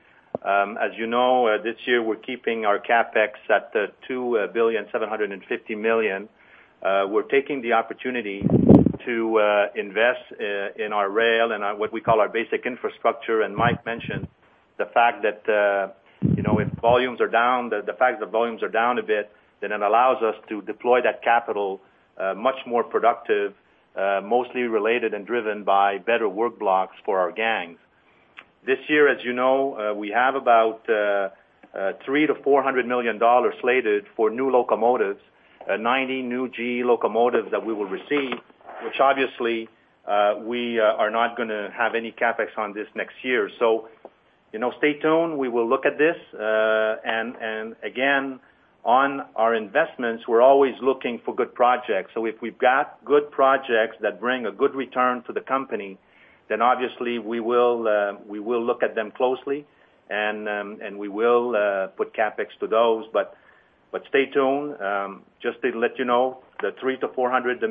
S5: As you know, this year, we're keeping our CapEx at $2.75 billion. We're taking the opportunity to invest in our rail and our, what we call our basic infrastructure. And Mike mentioned the fact that, you know, if volumes are down, the fact that volumes are down a bit, then it allows us to deploy that capital much more productive, mostly related and driven by better work blocks for our gangs. This year, as you know, we have about $300 million-$400 million slated for new locomotives, 90 new GE locomotives that we will receive, which obviously, we are not gonna have any CapEx on this next year. So, you know, stay tuned. We will look at this. And again, on our investments, we're always looking for good projects. So if we've got good projects that bring a good return to the company, then obviously we will look at them closely, and we will put CapEx to those. But stay tuned. Just to let you know, the $300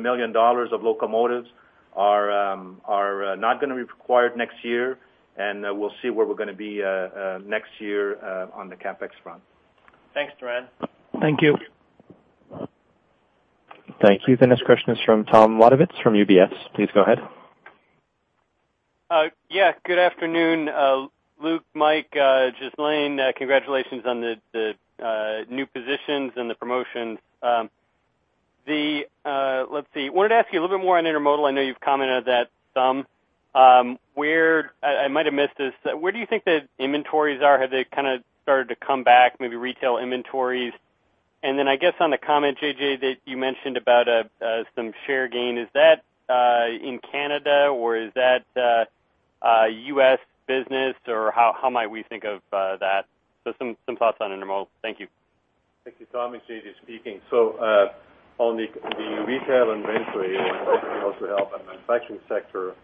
S5: million-$400 million of locomotives are not gonna be required next year, and we'll see where we're gonna be next year on the CapEx front. Thanks, Turan.
S13: Thank you.
S6: Thank you. The next question is from Tom Wadewitz from UBS. Please go ahead.
S14: Yeah, good afternoon, Luc, Mike, Ghislain, congratulations on the new positions and the promotions. Wanted to ask you a little bit more on intermodal. I know you've commented on that some. Where... I might have missed this. Where do you think the inventories are? Have they kind of started to come back, maybe retail inventories? And then I guess on the comment, JJ, that you mentioned about some share gain, is that in Canada, or is that US business, or how might we think of that? Just some thoughts on intermodal. Thank you.
S4: Thank you, Tom. It's JJ speaking. So, on the retail inventory, and also help on the manufacturing sector,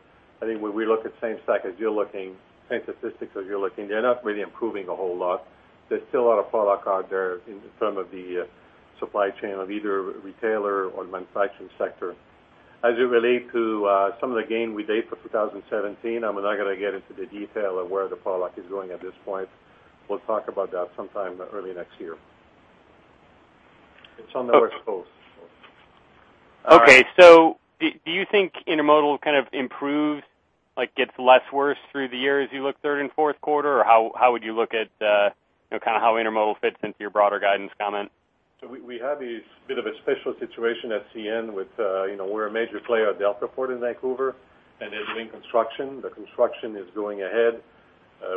S4: I think when we look at same stack as you're looking, same statistics as you're looking, they're not really improving a whole lot. There's still a lot of product out there in the term of the supply chain of either retailer or the manufacturing sector. As it relate to some of the gain we date for 2017, I'm not gonna get into the detail of where the product is going at this point. We'll talk about that sometime early next year. It's on the West Coast.
S14: Okay. So do you think intermodal kind of improves, like gets less worse through the year as you look third and fourth quarter? Or how, how would you look at, you know, kind of how intermodal fits into your broader guidance comment?
S4: So we have a bit of a special situation at CN with, you know, we're a major player at Deltaport in Vancouver, and they're doing construction. The construction is going ahead.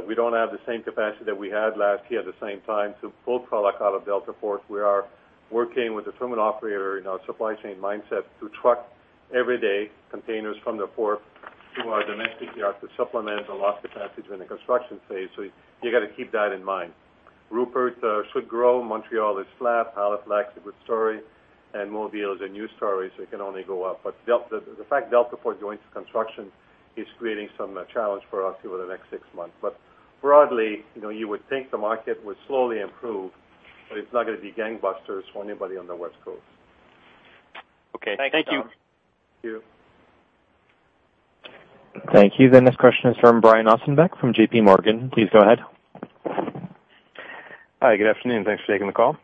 S4: We don't have the same capacity that we had last year at the same time to pull product out of Deltaport. We are working with the terminal operator in our supply chain mindset to truck every day, containers from the port to our domestic yard to supplement the lost capacity in the construction phase. So you got to keep that in mind. Rupert should grow. Montreal is flat. Halifax, a good story, and Mobile is a new story, so it can only go up. But Delta, the fact Deltaport going to construction, is creating some challenge for us over the next six months. But broadly, you know, you would think the market would slowly improve, but it's not gonna be gangbusters for anybody on the West Coast.
S14: Okay. Thank you.
S4: Thank you.
S6: Thank you. The next question is from Brian Ossenbeck, from JPMorgan. Please go ahead.
S15: Hi, good afternoon. Thanks for taking the call.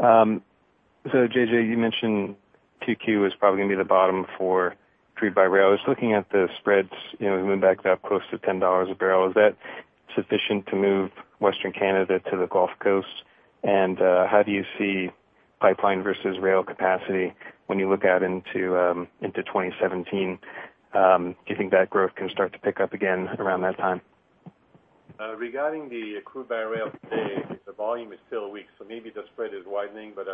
S15: So JJ, you mentioned 2Q is probably gonna be the bottom for crude by rail. I was looking at the spreads, you know, moving back up close to $10 a barrel. Is that sufficient to move Western Canada to the Gulf Coast? And, how do you see pipeline versus rail capacity when you look out into, into 2017, do you think that growth can start to pick up again around that time?
S4: Regarding the crude by rail today, the volume is still weak, so maybe the spread is widening, but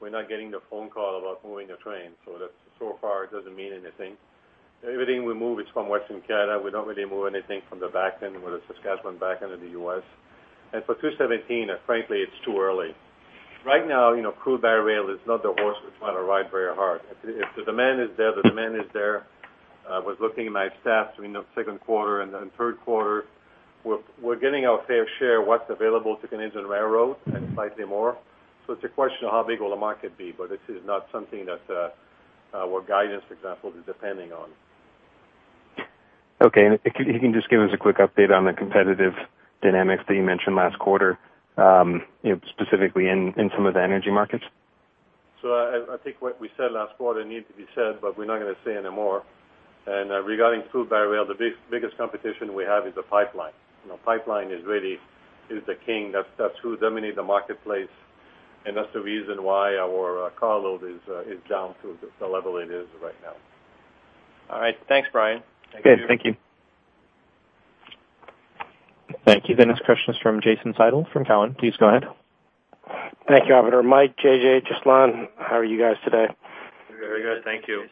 S4: we're not getting the phone call about moving the train. So that so far, it doesn't mean anything. Everything we move is from Western Canada. We don't really move anything from the Bakken, whether Saskatchewan, Bakken end of the U.S. And for 2017, frankly, it's too early. Right now, you know, crude by rail is not the horse we're trying to ride very hard. If the demand is there, the demand is there. I was looking at my stats between the second quarter and third quarter. We're getting our fair share of what's available to Canadian railroads and slightly more. So it's a question of how big will the market be, but this is not something that our guidance, for example, is depending on.
S15: Okay. Can you just give us a quick update on the competitive dynamics that you mentioned last quarter, specifically in some of the energy markets?
S4: So I think what we said last quarter needs to be said, but we're not gonna say anymore. And regarding crude by rail, the biggest competition we have is the pipeline. You know, pipeline is really the king. That's who dominate the marketplace, and that's the reason why our carload is down to the level it is right now.
S3: All right. Thanks, Brian. Okay. Thank you.
S6: Thank you. The next question is from Jason Seidl from Cowen. Please go ahead.
S16: Thank you, operator. Mike, JJ, Ghislain, how are you guys today?
S4: Very good. Thank you.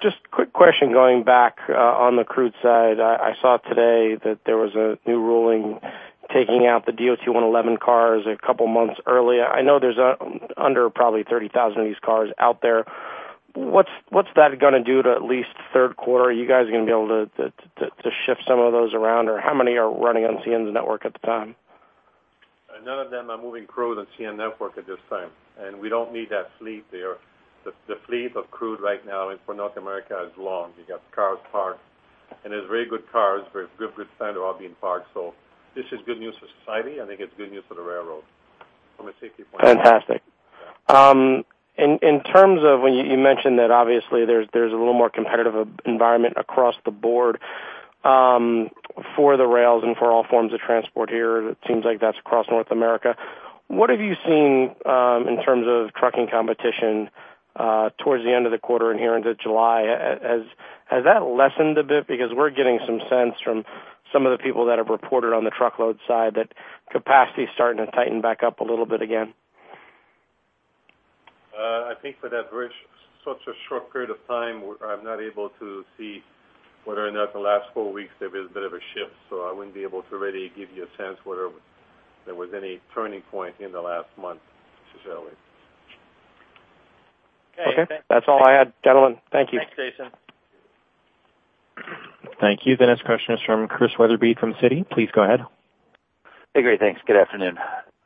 S16: Just quick question, going back on the crude side. I saw today that there was a new ruling taking out the DOT-111 cars a couple months earlier. I know there's under probably 30,000 of these cars out there. What's that gonna do to at least third quarter? Are you guys gonna be able to shift some of those around, or how many are running on CN's network at the time?
S4: None of them are moving crude on CN network at this time, and we don't need that fleet there. The fleet of crude right now and for North America is long. You got cars parked, and there's very good cars, very good, good sign to all being parked. So this is good news for society. I think it's good news for the railroad from a safety point of view.
S16: Fantastic. In terms of when you mentioned that obviously there's a little more competitive environment across the board for the rails and for all forms of transport here, it seems like that's across North America. What have you seen in terms of trucking competition towards the end of the quarter and here into July? Has that lessened a bit? Because we're getting some sense from some of the people that have reported on the truckload side, that capacity is starting to tighten back up a little bit again.
S4: I think for that very, such a short period of time, I'm not able to see whether or not the last four weeks there was a bit of a shift, so I wouldn't be able to really give you a sense whether there was any turning point in the last month necessarily.
S16: Okay. That's all I had, gentlemen. Thank you.
S4: Thanks, Jason.
S6: Thank you. The next question is from Chris Wetherbee, from Citi. Please go ahead.
S17: Hey, great, thanks. Good afternoon.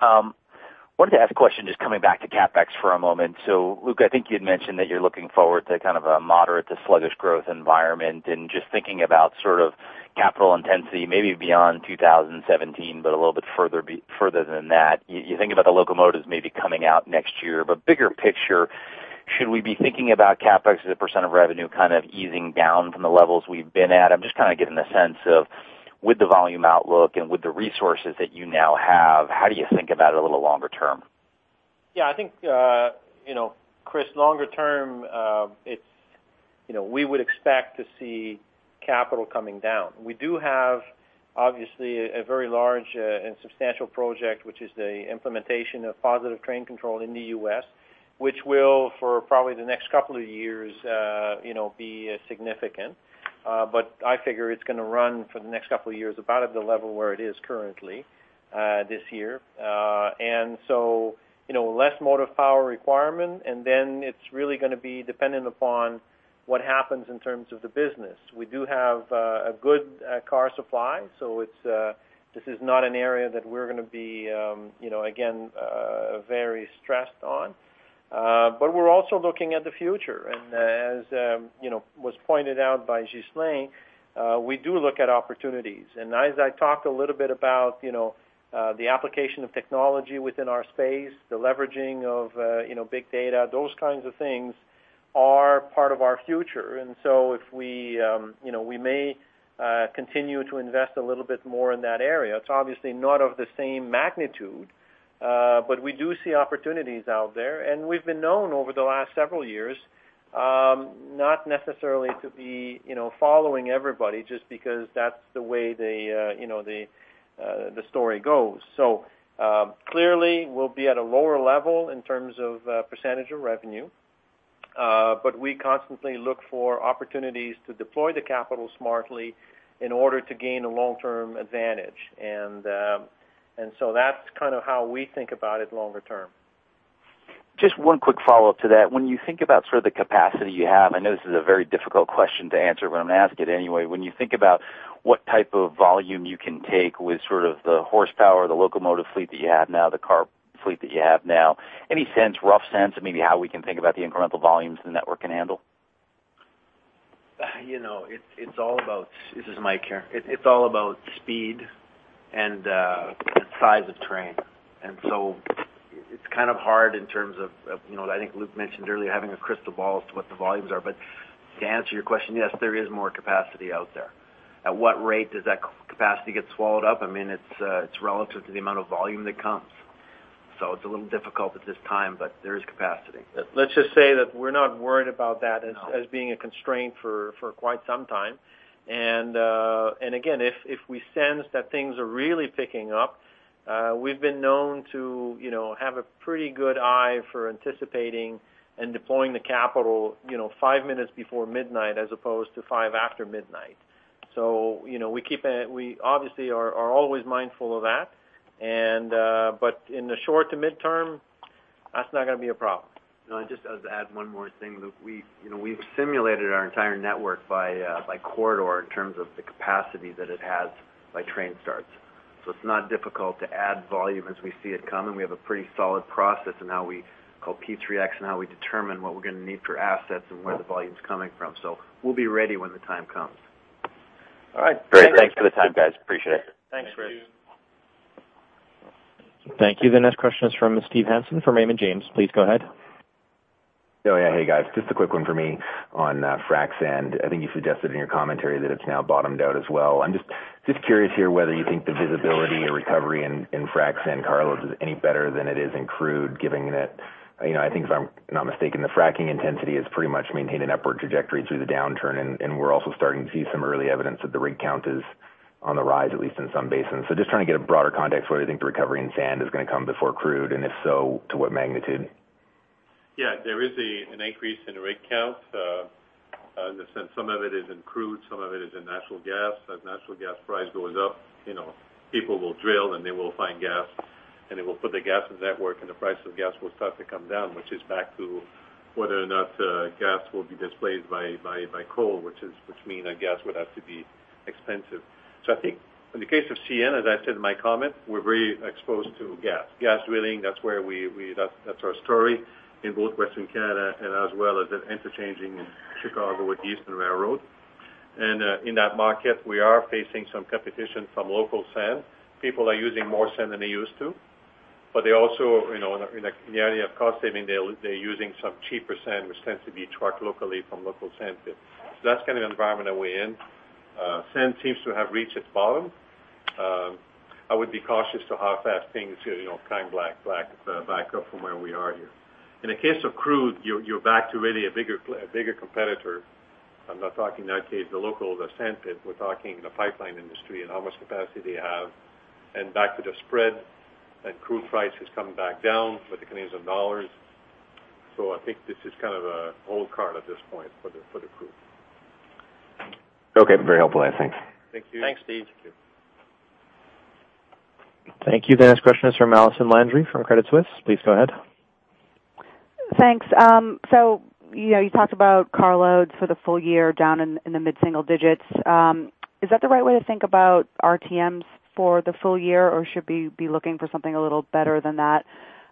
S17: Wanted to ask a question, just coming back to CapEx for a moment. So Luc, I think you'd mentioned that you're looking forward to kind of a moderate to sluggish growth environment, and just thinking about sort of capital intensity, maybe beyond 2017, but a little bit further than that. You think about the locomotives maybe coming out next year, but bigger picture, should we be thinking about CapEx as a % of revenue, kind of easing down from the levels we've been at? I'm just kind of getting a sense of with the volume outlook and with the resources that you now have, how do you think about it a little longer term?
S3: Yeah, I think, you know, Chris, longer term, it's, you know, we would expect to see capital coming down. We do have, obviously, a very large, and substantial project, which is the implementation of Positive Train Control in the U.S., which will for probably the next couple of years, you know, be, significant. But I figure it's gonna run for the next couple of years about at the level where it is currently, this year. And so, you know, less motive power requirement, and then it's really gonna be dependent upon what happens in terms of the business. We do have, a good, car supply, so it's, this is not an area that we're gonna be, you know, again, very stressed on. But we're also looking at the future, and as, you know, was pointed out by Ghislain, we do look at opportunities. And as I talked a little bit about, you know, the application of technology within our space, the leveraging of, you know, big data, those kinds of things are part of our future. And so if we, you know, we may continue to invest a little bit more in that area. It's obviously not of the same magnitude, but we do see opportunities out there, and we've been known over the last several years, not necessarily to be, you know, following everybody, just because that's the way the, you know, the, the story goes. So, clearly, we'll be at a lower level in terms of percentage of revenue, but we constantly look for opportunities to deploy the capital smartly in order to gain a long-term advantage. And so that's kind of how we think about it longer term.
S17: Just one quick follow-up to that. When you think about sort of the capacity you have, I know this is a very difficult question to answer, but I'm gonna ask it anyway. When you think about what type of volume you can take with sort of the horsepower, the locomotive fleet that you have now, the car fleet that you have now, any sense, rough sense of maybe how we can think about the incremental volumes the network can handle?
S1: You know, it's all about... This is Mike here. It's all about speed and size of train. And so it's kind of hard in terms of, you know, I think Luc mentioned earlier, having a crystal ball as to what the volumes are. But to answer your question, yes, there is more capacity out there. At what rate does that capacity get swallowed up? I mean, it's, it's relative to the amount of volume that comes. So it's a little difficult at this time, but there is capacity.
S4: Let's just say that we're not worried about that-
S1: No.
S4: as, as being a constraint for quite some time. And again, if we sense that things are really picking up, we've been known to, you know, have a pretty good eye for anticipating and deploying the capital, you know, five minutes before midnight as opposed to five after midnight. So, you know, we keep, we obviously are always mindful of that. And but in the short to midterm, that's not gonna be a problem.
S1: No, I just, I'll just add one more thing, that we, you know, we've simulated our entire network by, by corridor in terms of the capacity that it has by train starts. So it's not difficult to add volume as we see it coming. We have a pretty solid process in how we, call it P3X, and how we determine what we're gonna need for assets and where the volume's coming from. So we'll be ready when the time comes.
S4: All right.
S1: Great.
S17: Thanks for the time, guys. Appreciate it.
S4: Thanks, Chris.
S6: Thank you. The next question is from Steve Hansen from Raymond James. Please go ahead.
S18: Oh, yeah. Hey, guys, just a quick one for me on frac sand. I think you suggested in your commentary that it's now bottomed out as well. I'm just curious here whether you think the visibility or recovery in frac sand carloads is any better than it is in crude, given that, you know, I think, if I'm not mistaken, the fracking intensity has pretty much maintained an upward trajectory through the downturn, and we're also starting to see some early evidence that the rig count is on the rise, at least in some basins. So just trying to get a broader context for whether you think the recovery in sand is gonna come before crude, and if so, to what magnitude?
S4: Yeah, there is an increase in the rig count. In the sense, some of it is in crude, some of it is in natural gas. As natural gas price goes up, you know, people will drill, and they will find gas, and they will put the gas in network, and the price of gas will start to come down, which is back to whether or not gas will be displaced by coal, which mean that gas would have to be expensive. So I think in the case of CN, as I said in my comment, we're very exposed to gas. Gas drilling, that's where we – that's our story in both Western Canada and as well as in interchanging in Chicago with the Eastern Railroad. And in that market, we are facing some competition from local sand. People are using more sand than they used to, but they also, you know, in a, in the area of cost saving, they're, they're using some cheaper sand, which tends to be trucked locally from local sandpit. So that's kind of the environment that we're in. Sand seems to have reached its bottom. I would be cautious to how fast things, you know, climb back, back, back up from where we are here. In the case of crude, you're, you're back to really a bigger competitor. I'm not talking, in that case, the locals, the sandpit. We're talking the pipeline industry and how much capacity they have, and back to the spread, and crude price has come back down with the Canadian dollars. So I think this is kind of a wild card at this point for the, for the crude.
S18: Okay. Very helpful, I think.
S4: Thank you.
S1: Thanks, Steve.
S6: Thank you. The next question is from Allison Landry from Credit Suisse. Please go ahead.
S19: Thanks. So, you know, you talked about carloads for the full year down in the mid-single digits. Is that the right way to think about RTMs for the full year, or should we be looking for something a little better than that?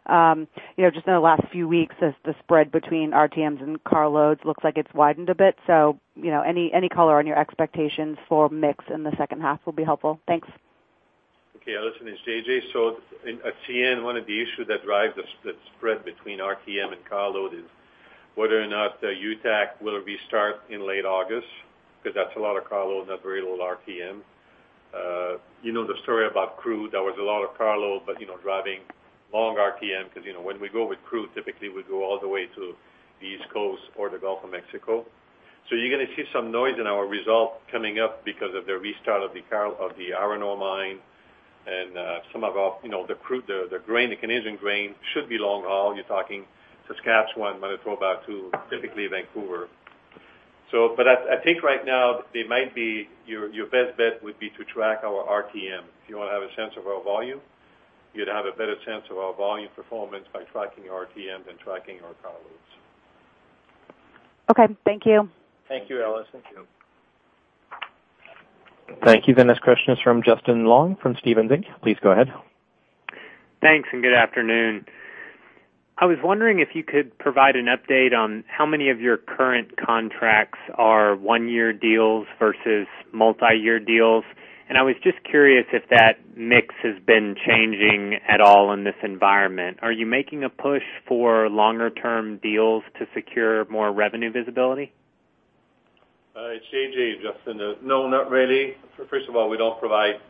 S19: You know, just in the last few weeks, as the spread between RTMs and carloads looks like it's widened a bit. So, you know, any color on your expectations for mix in the second half will be helpful. Thanks.
S4: Okay, Allison, it's JJ. So at CN, one of the issues that drives the spread between RTM and carload is whether or not UTAC will restart in late August, because that's a lot of carload, not very little RTM. You know the story about crude. There was a lot of carload, but, you know, driving long RTM, because, you know, when we go with crude, typically we go all the way to the East Coast or the Gulf of Mexico. So you're gonna see some noise in our result coming up because of the restart of the iron ore mine and some of our, you know, the crude, the grain, the Canadian grain should be long haul. You're talking Saskatchewan, Manitoba to typically Vancouver. I think right now, it might be your best bet would be to track our RTM. If you want to have a sense of our volume, you'd have a better sense of our volume performance by tracking our RTM than tracking our carloads.
S19: Okay. Thank you.
S4: Thank you, Allison.
S1: Thank you.
S6: Thank you. The next question is from Justin Long, from Stephens Inc. Please go ahead.
S20: Thanks, and good afternoon. I was wondering if you could provide an update on how many of your current contracts are one-year deals versus multi-year deals. I was just curious if that mix has been changing at all in this environment. Are you making a push for longer-term deals to secure more revenue visibility?
S4: It's JJ, Justin. No, not really. First of all, we don't provide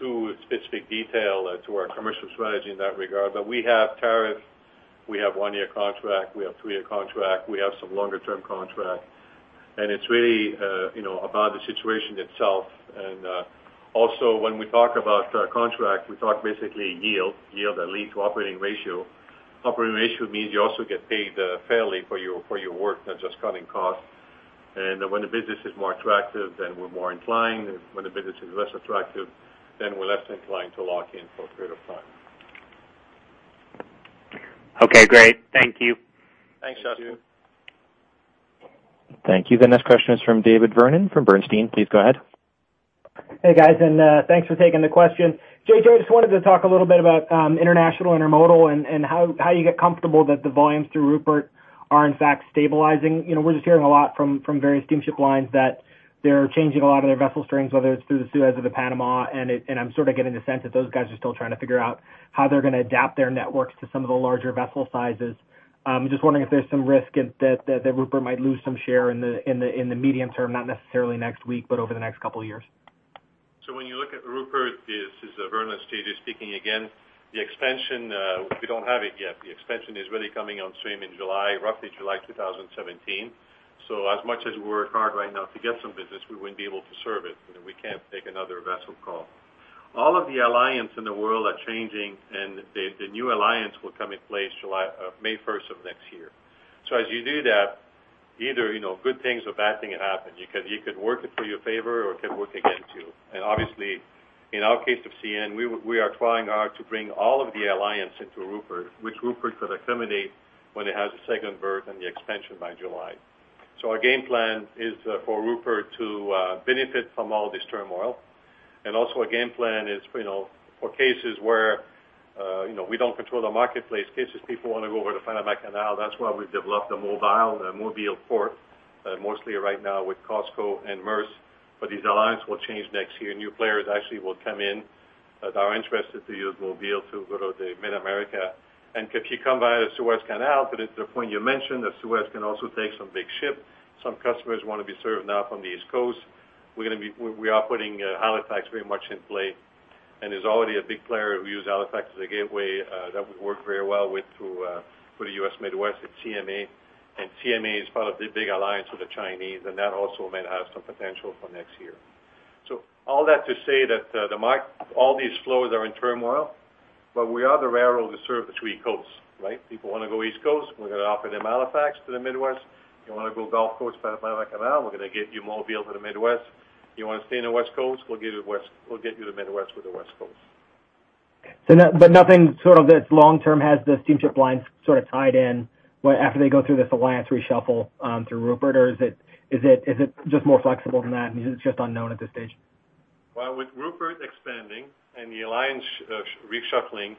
S4: too specific detail to our commercial strategy in that regard. But we have tariff, we have one-year contract, we have three-year contract, we have some longer-term contract, and it's really, you know, about the situation itself. And also, when we talk about contract, we talk basically yield, yield that lead to operating ratio. Operating ratio means you also get paid fairly for your, for your work, not just cutting costs. And when the business is more attractive, then we're more inclined. When the business is less attractive, then we're less inclined to lock in for a period of time.
S20: Okay, great. Thank you.
S4: Thanks, Justin.
S6: Thank you. The next question is from David Vernon from Bernstein. Please go ahead.
S21: Hey, guys, and thanks for taking the question. JJ, I just wanted to talk a little bit about international intermodal and how you get comfortable that the volumes through Rupert are, in fact, stabilizing. You know, we're just hearing a lot from various steamship lines that they're changing a lot of their vessel streams, whether it's through the Suez or the Panama, and I'm sort of getting the sense that those guys are still trying to figure out how they're gonna adapt their networks to some of the larger vessel sizes. Just wondering if there's some risk in that, that Rupert might lose some share in the medium term, not necessarily next week, but over the next couple of years?...
S4: So when you look at Rupert, this is David Vernon speaking again. The expansion, we don't have it yet. The expansion is really coming on stream in July, roughly July 2017. So as much as we work hard right now to get some business, we wouldn't be able to serve it, you know, we can't take another vessel call. All of the alliances in the world are changing, and the new alliance will come in place July, May first of next year. So as you do that, either, you know, good things or bad things happen. You could work it for your favor or it could work against you. And obviously, in our case of CN, we are trying hard to bring all of the alliance into Rupert, which Rupert could accommodate when it has a second berth and the expansion by July. So our game plan is for Rupert to benefit from all this turmoil. And also our game plan is, you know, for cases where, you know, we don't control the marketplace, cases people wanna go over the Panama Canal. That's why we've developed the Mobile, the Port of Mobile, mostly right now with COSCO and Maersk. But these alliance will change next year. New players actually will come in, that are interested to use Mobile to go to the Mid-America. And if you come via the Suez Canal, but it's the point you mentioned, the Suez can also take some big ship. Some customers wanna be served now from the East Coast. We are putting Halifax very much in play, and there's already a big player who use Halifax as a gateway that we work very well with for the U.S. Midwest and TMA. And TMA is part of the big alliance with the Chinese, and that also might have some potential for next year. So all that to say that the market, all these flows are in turmoil, but we are the railroad that serve the three coasts, right? People wanna go East Coast, we're gonna offer them Halifax to the Midwest. You wanna go Gulf Coast, Panama Canal, we're gonna get you Mobile to the Midwest. You wanna stay in the West Coast, we'll get you west, we'll get you to the Midwest with the West Coast.
S21: So not, but nothing sort of that's long term, has the steamship lines sort of tied in right after they go through this alliance reshuffle, through Rupert? Or is it, is it, is it just more flexible than that? Is it just unknown at this stage?
S4: Well, with Rupert expanding and the alliance reshuffling,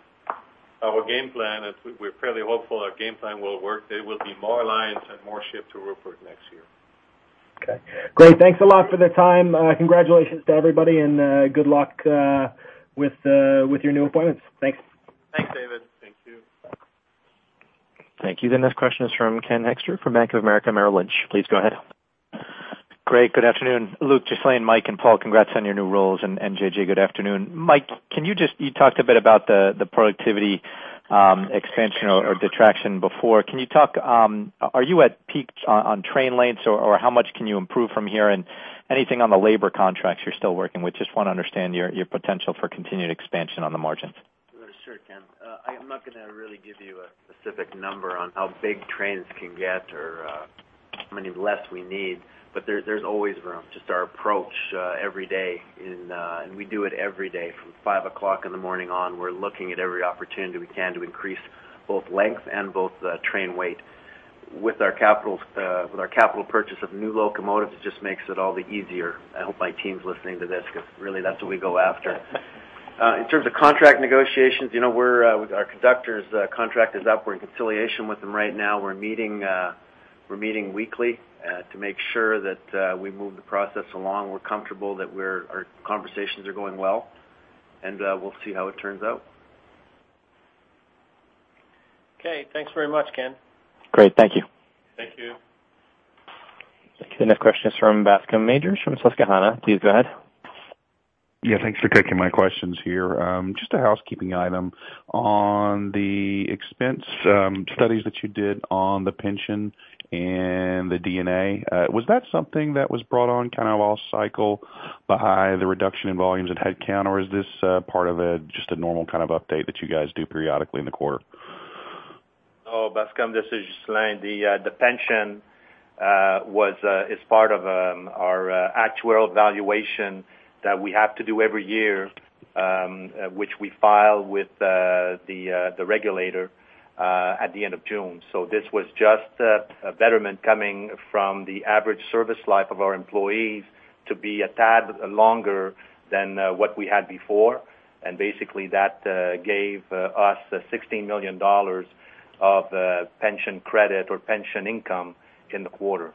S4: our game plan, and we're fairly hopeful our game plan will work, there will be more alliance and more ship to Rupert next year.
S21: Okay. Great, thanks a lot for the time. Congratulations to everybody, and good luck with your new appointments. Thanks.
S4: Thanks, David. Thank you.
S6: Thank you. The next question is from Ken Hoexter from Bank of America Merrill Lynch. Please go ahead.
S22: Great. Good afternoon, Luc, Ghislain, Mike and Paul, congrats on your new roles, and, and JJ, good afternoon. Mike, can you just—you talked a bit about the, the productivity, expansion or detraction before. Can you talk... Are you at peak on, on train lengths, or, or how much can you improve from here? And anything on the labor contracts you're still working with? Just wanna understand your, your potential for continued expansion on the margins.
S1: Sure, Ken. I'm not gonna really give you a specific number on how big trains can get or, how many less we need, but there, there's always room. Just our approach, every day, and, and we do it every day. From 5:00 A.M. on, we're looking at every opportunity we can to increase both length and both, train weight. With our capital, with our capital purchase of new locomotives, it just makes it all the easier. I hope my team's listening to this, because really, that's what we go after. In terms of contract negotiations, you know, we're, with our conductors, contract is up. We're in conciliation with them right now. We're meeting, we're meeting weekly, to make sure that, we move the process along. We're comfortable that our conversations are going well, and we'll see how it turns out.
S4: Okay. Thanks very much, Ken.
S22: Great. Thank you.
S4: Thank you.
S6: The next question is from Bascome Majors, from Susquehanna. Please go ahead.
S23: Yeah, thanks for taking my questions here. Just a housekeeping item. On the expense studies that you did on the pension and the D&A, was that something that was brought on kind of off cycle by the reduction in volumes and headcount, or is this part of a just a normal kind of update that you guys do periodically in the quarter?
S5: Oh, Bascome, this is Ghislain. The pension is part of our actuarial valuation that we have to do every year, which we file with the regulator at the end of June. So this was just a betterment coming from the average service life of our employees to be a tad longer than what we had before. And basically, that gave us $16 million of pension credit or pension income in the quarter.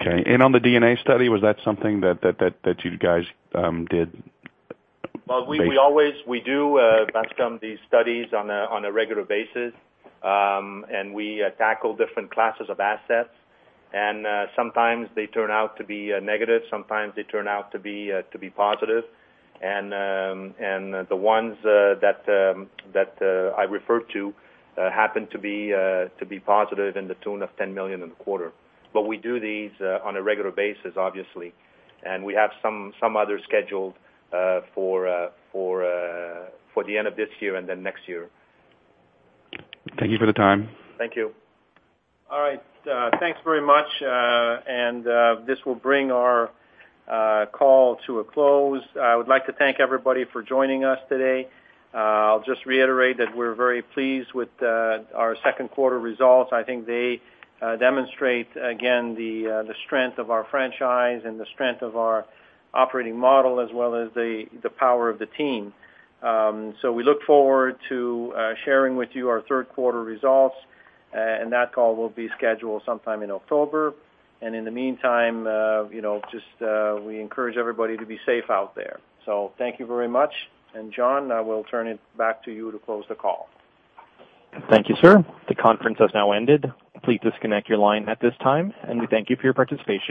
S23: Okay. And on the D&A study, was that something that you guys did?
S5: Well, we always... We do, Bascome, these studies on a regular basis, and we tackle different classes of assets, and sometimes they turn out to be negative, sometimes they turn out to be positive. And the ones that I referred to happen to be to be positive to the tune of $10 million in the quarter. But we do these on a regular basis, obviously, and we have some other scheduled for the end of this year and then next year.
S23: Thank you for the time.
S5: Thank you.
S4: All right, thanks very much, and this will bring our call to a close. I would like to thank everybody for joining us today. I'll just reiterate that we're very pleased with our second quarter results. I think they demonstrate again the strength of our franchise and the strength of our operating model, as well as the power of the team. So we look forward to sharing with you our third quarter results, and that call will be scheduled sometime in October. And in the meantime, you know, just we encourage everybody to be safe out there. So thank you very much. And John, I will turn it back to you to close the call.
S6: Thank you, sir. The conference has now ended. Please disconnect your line at this time, and we thank you for your participation.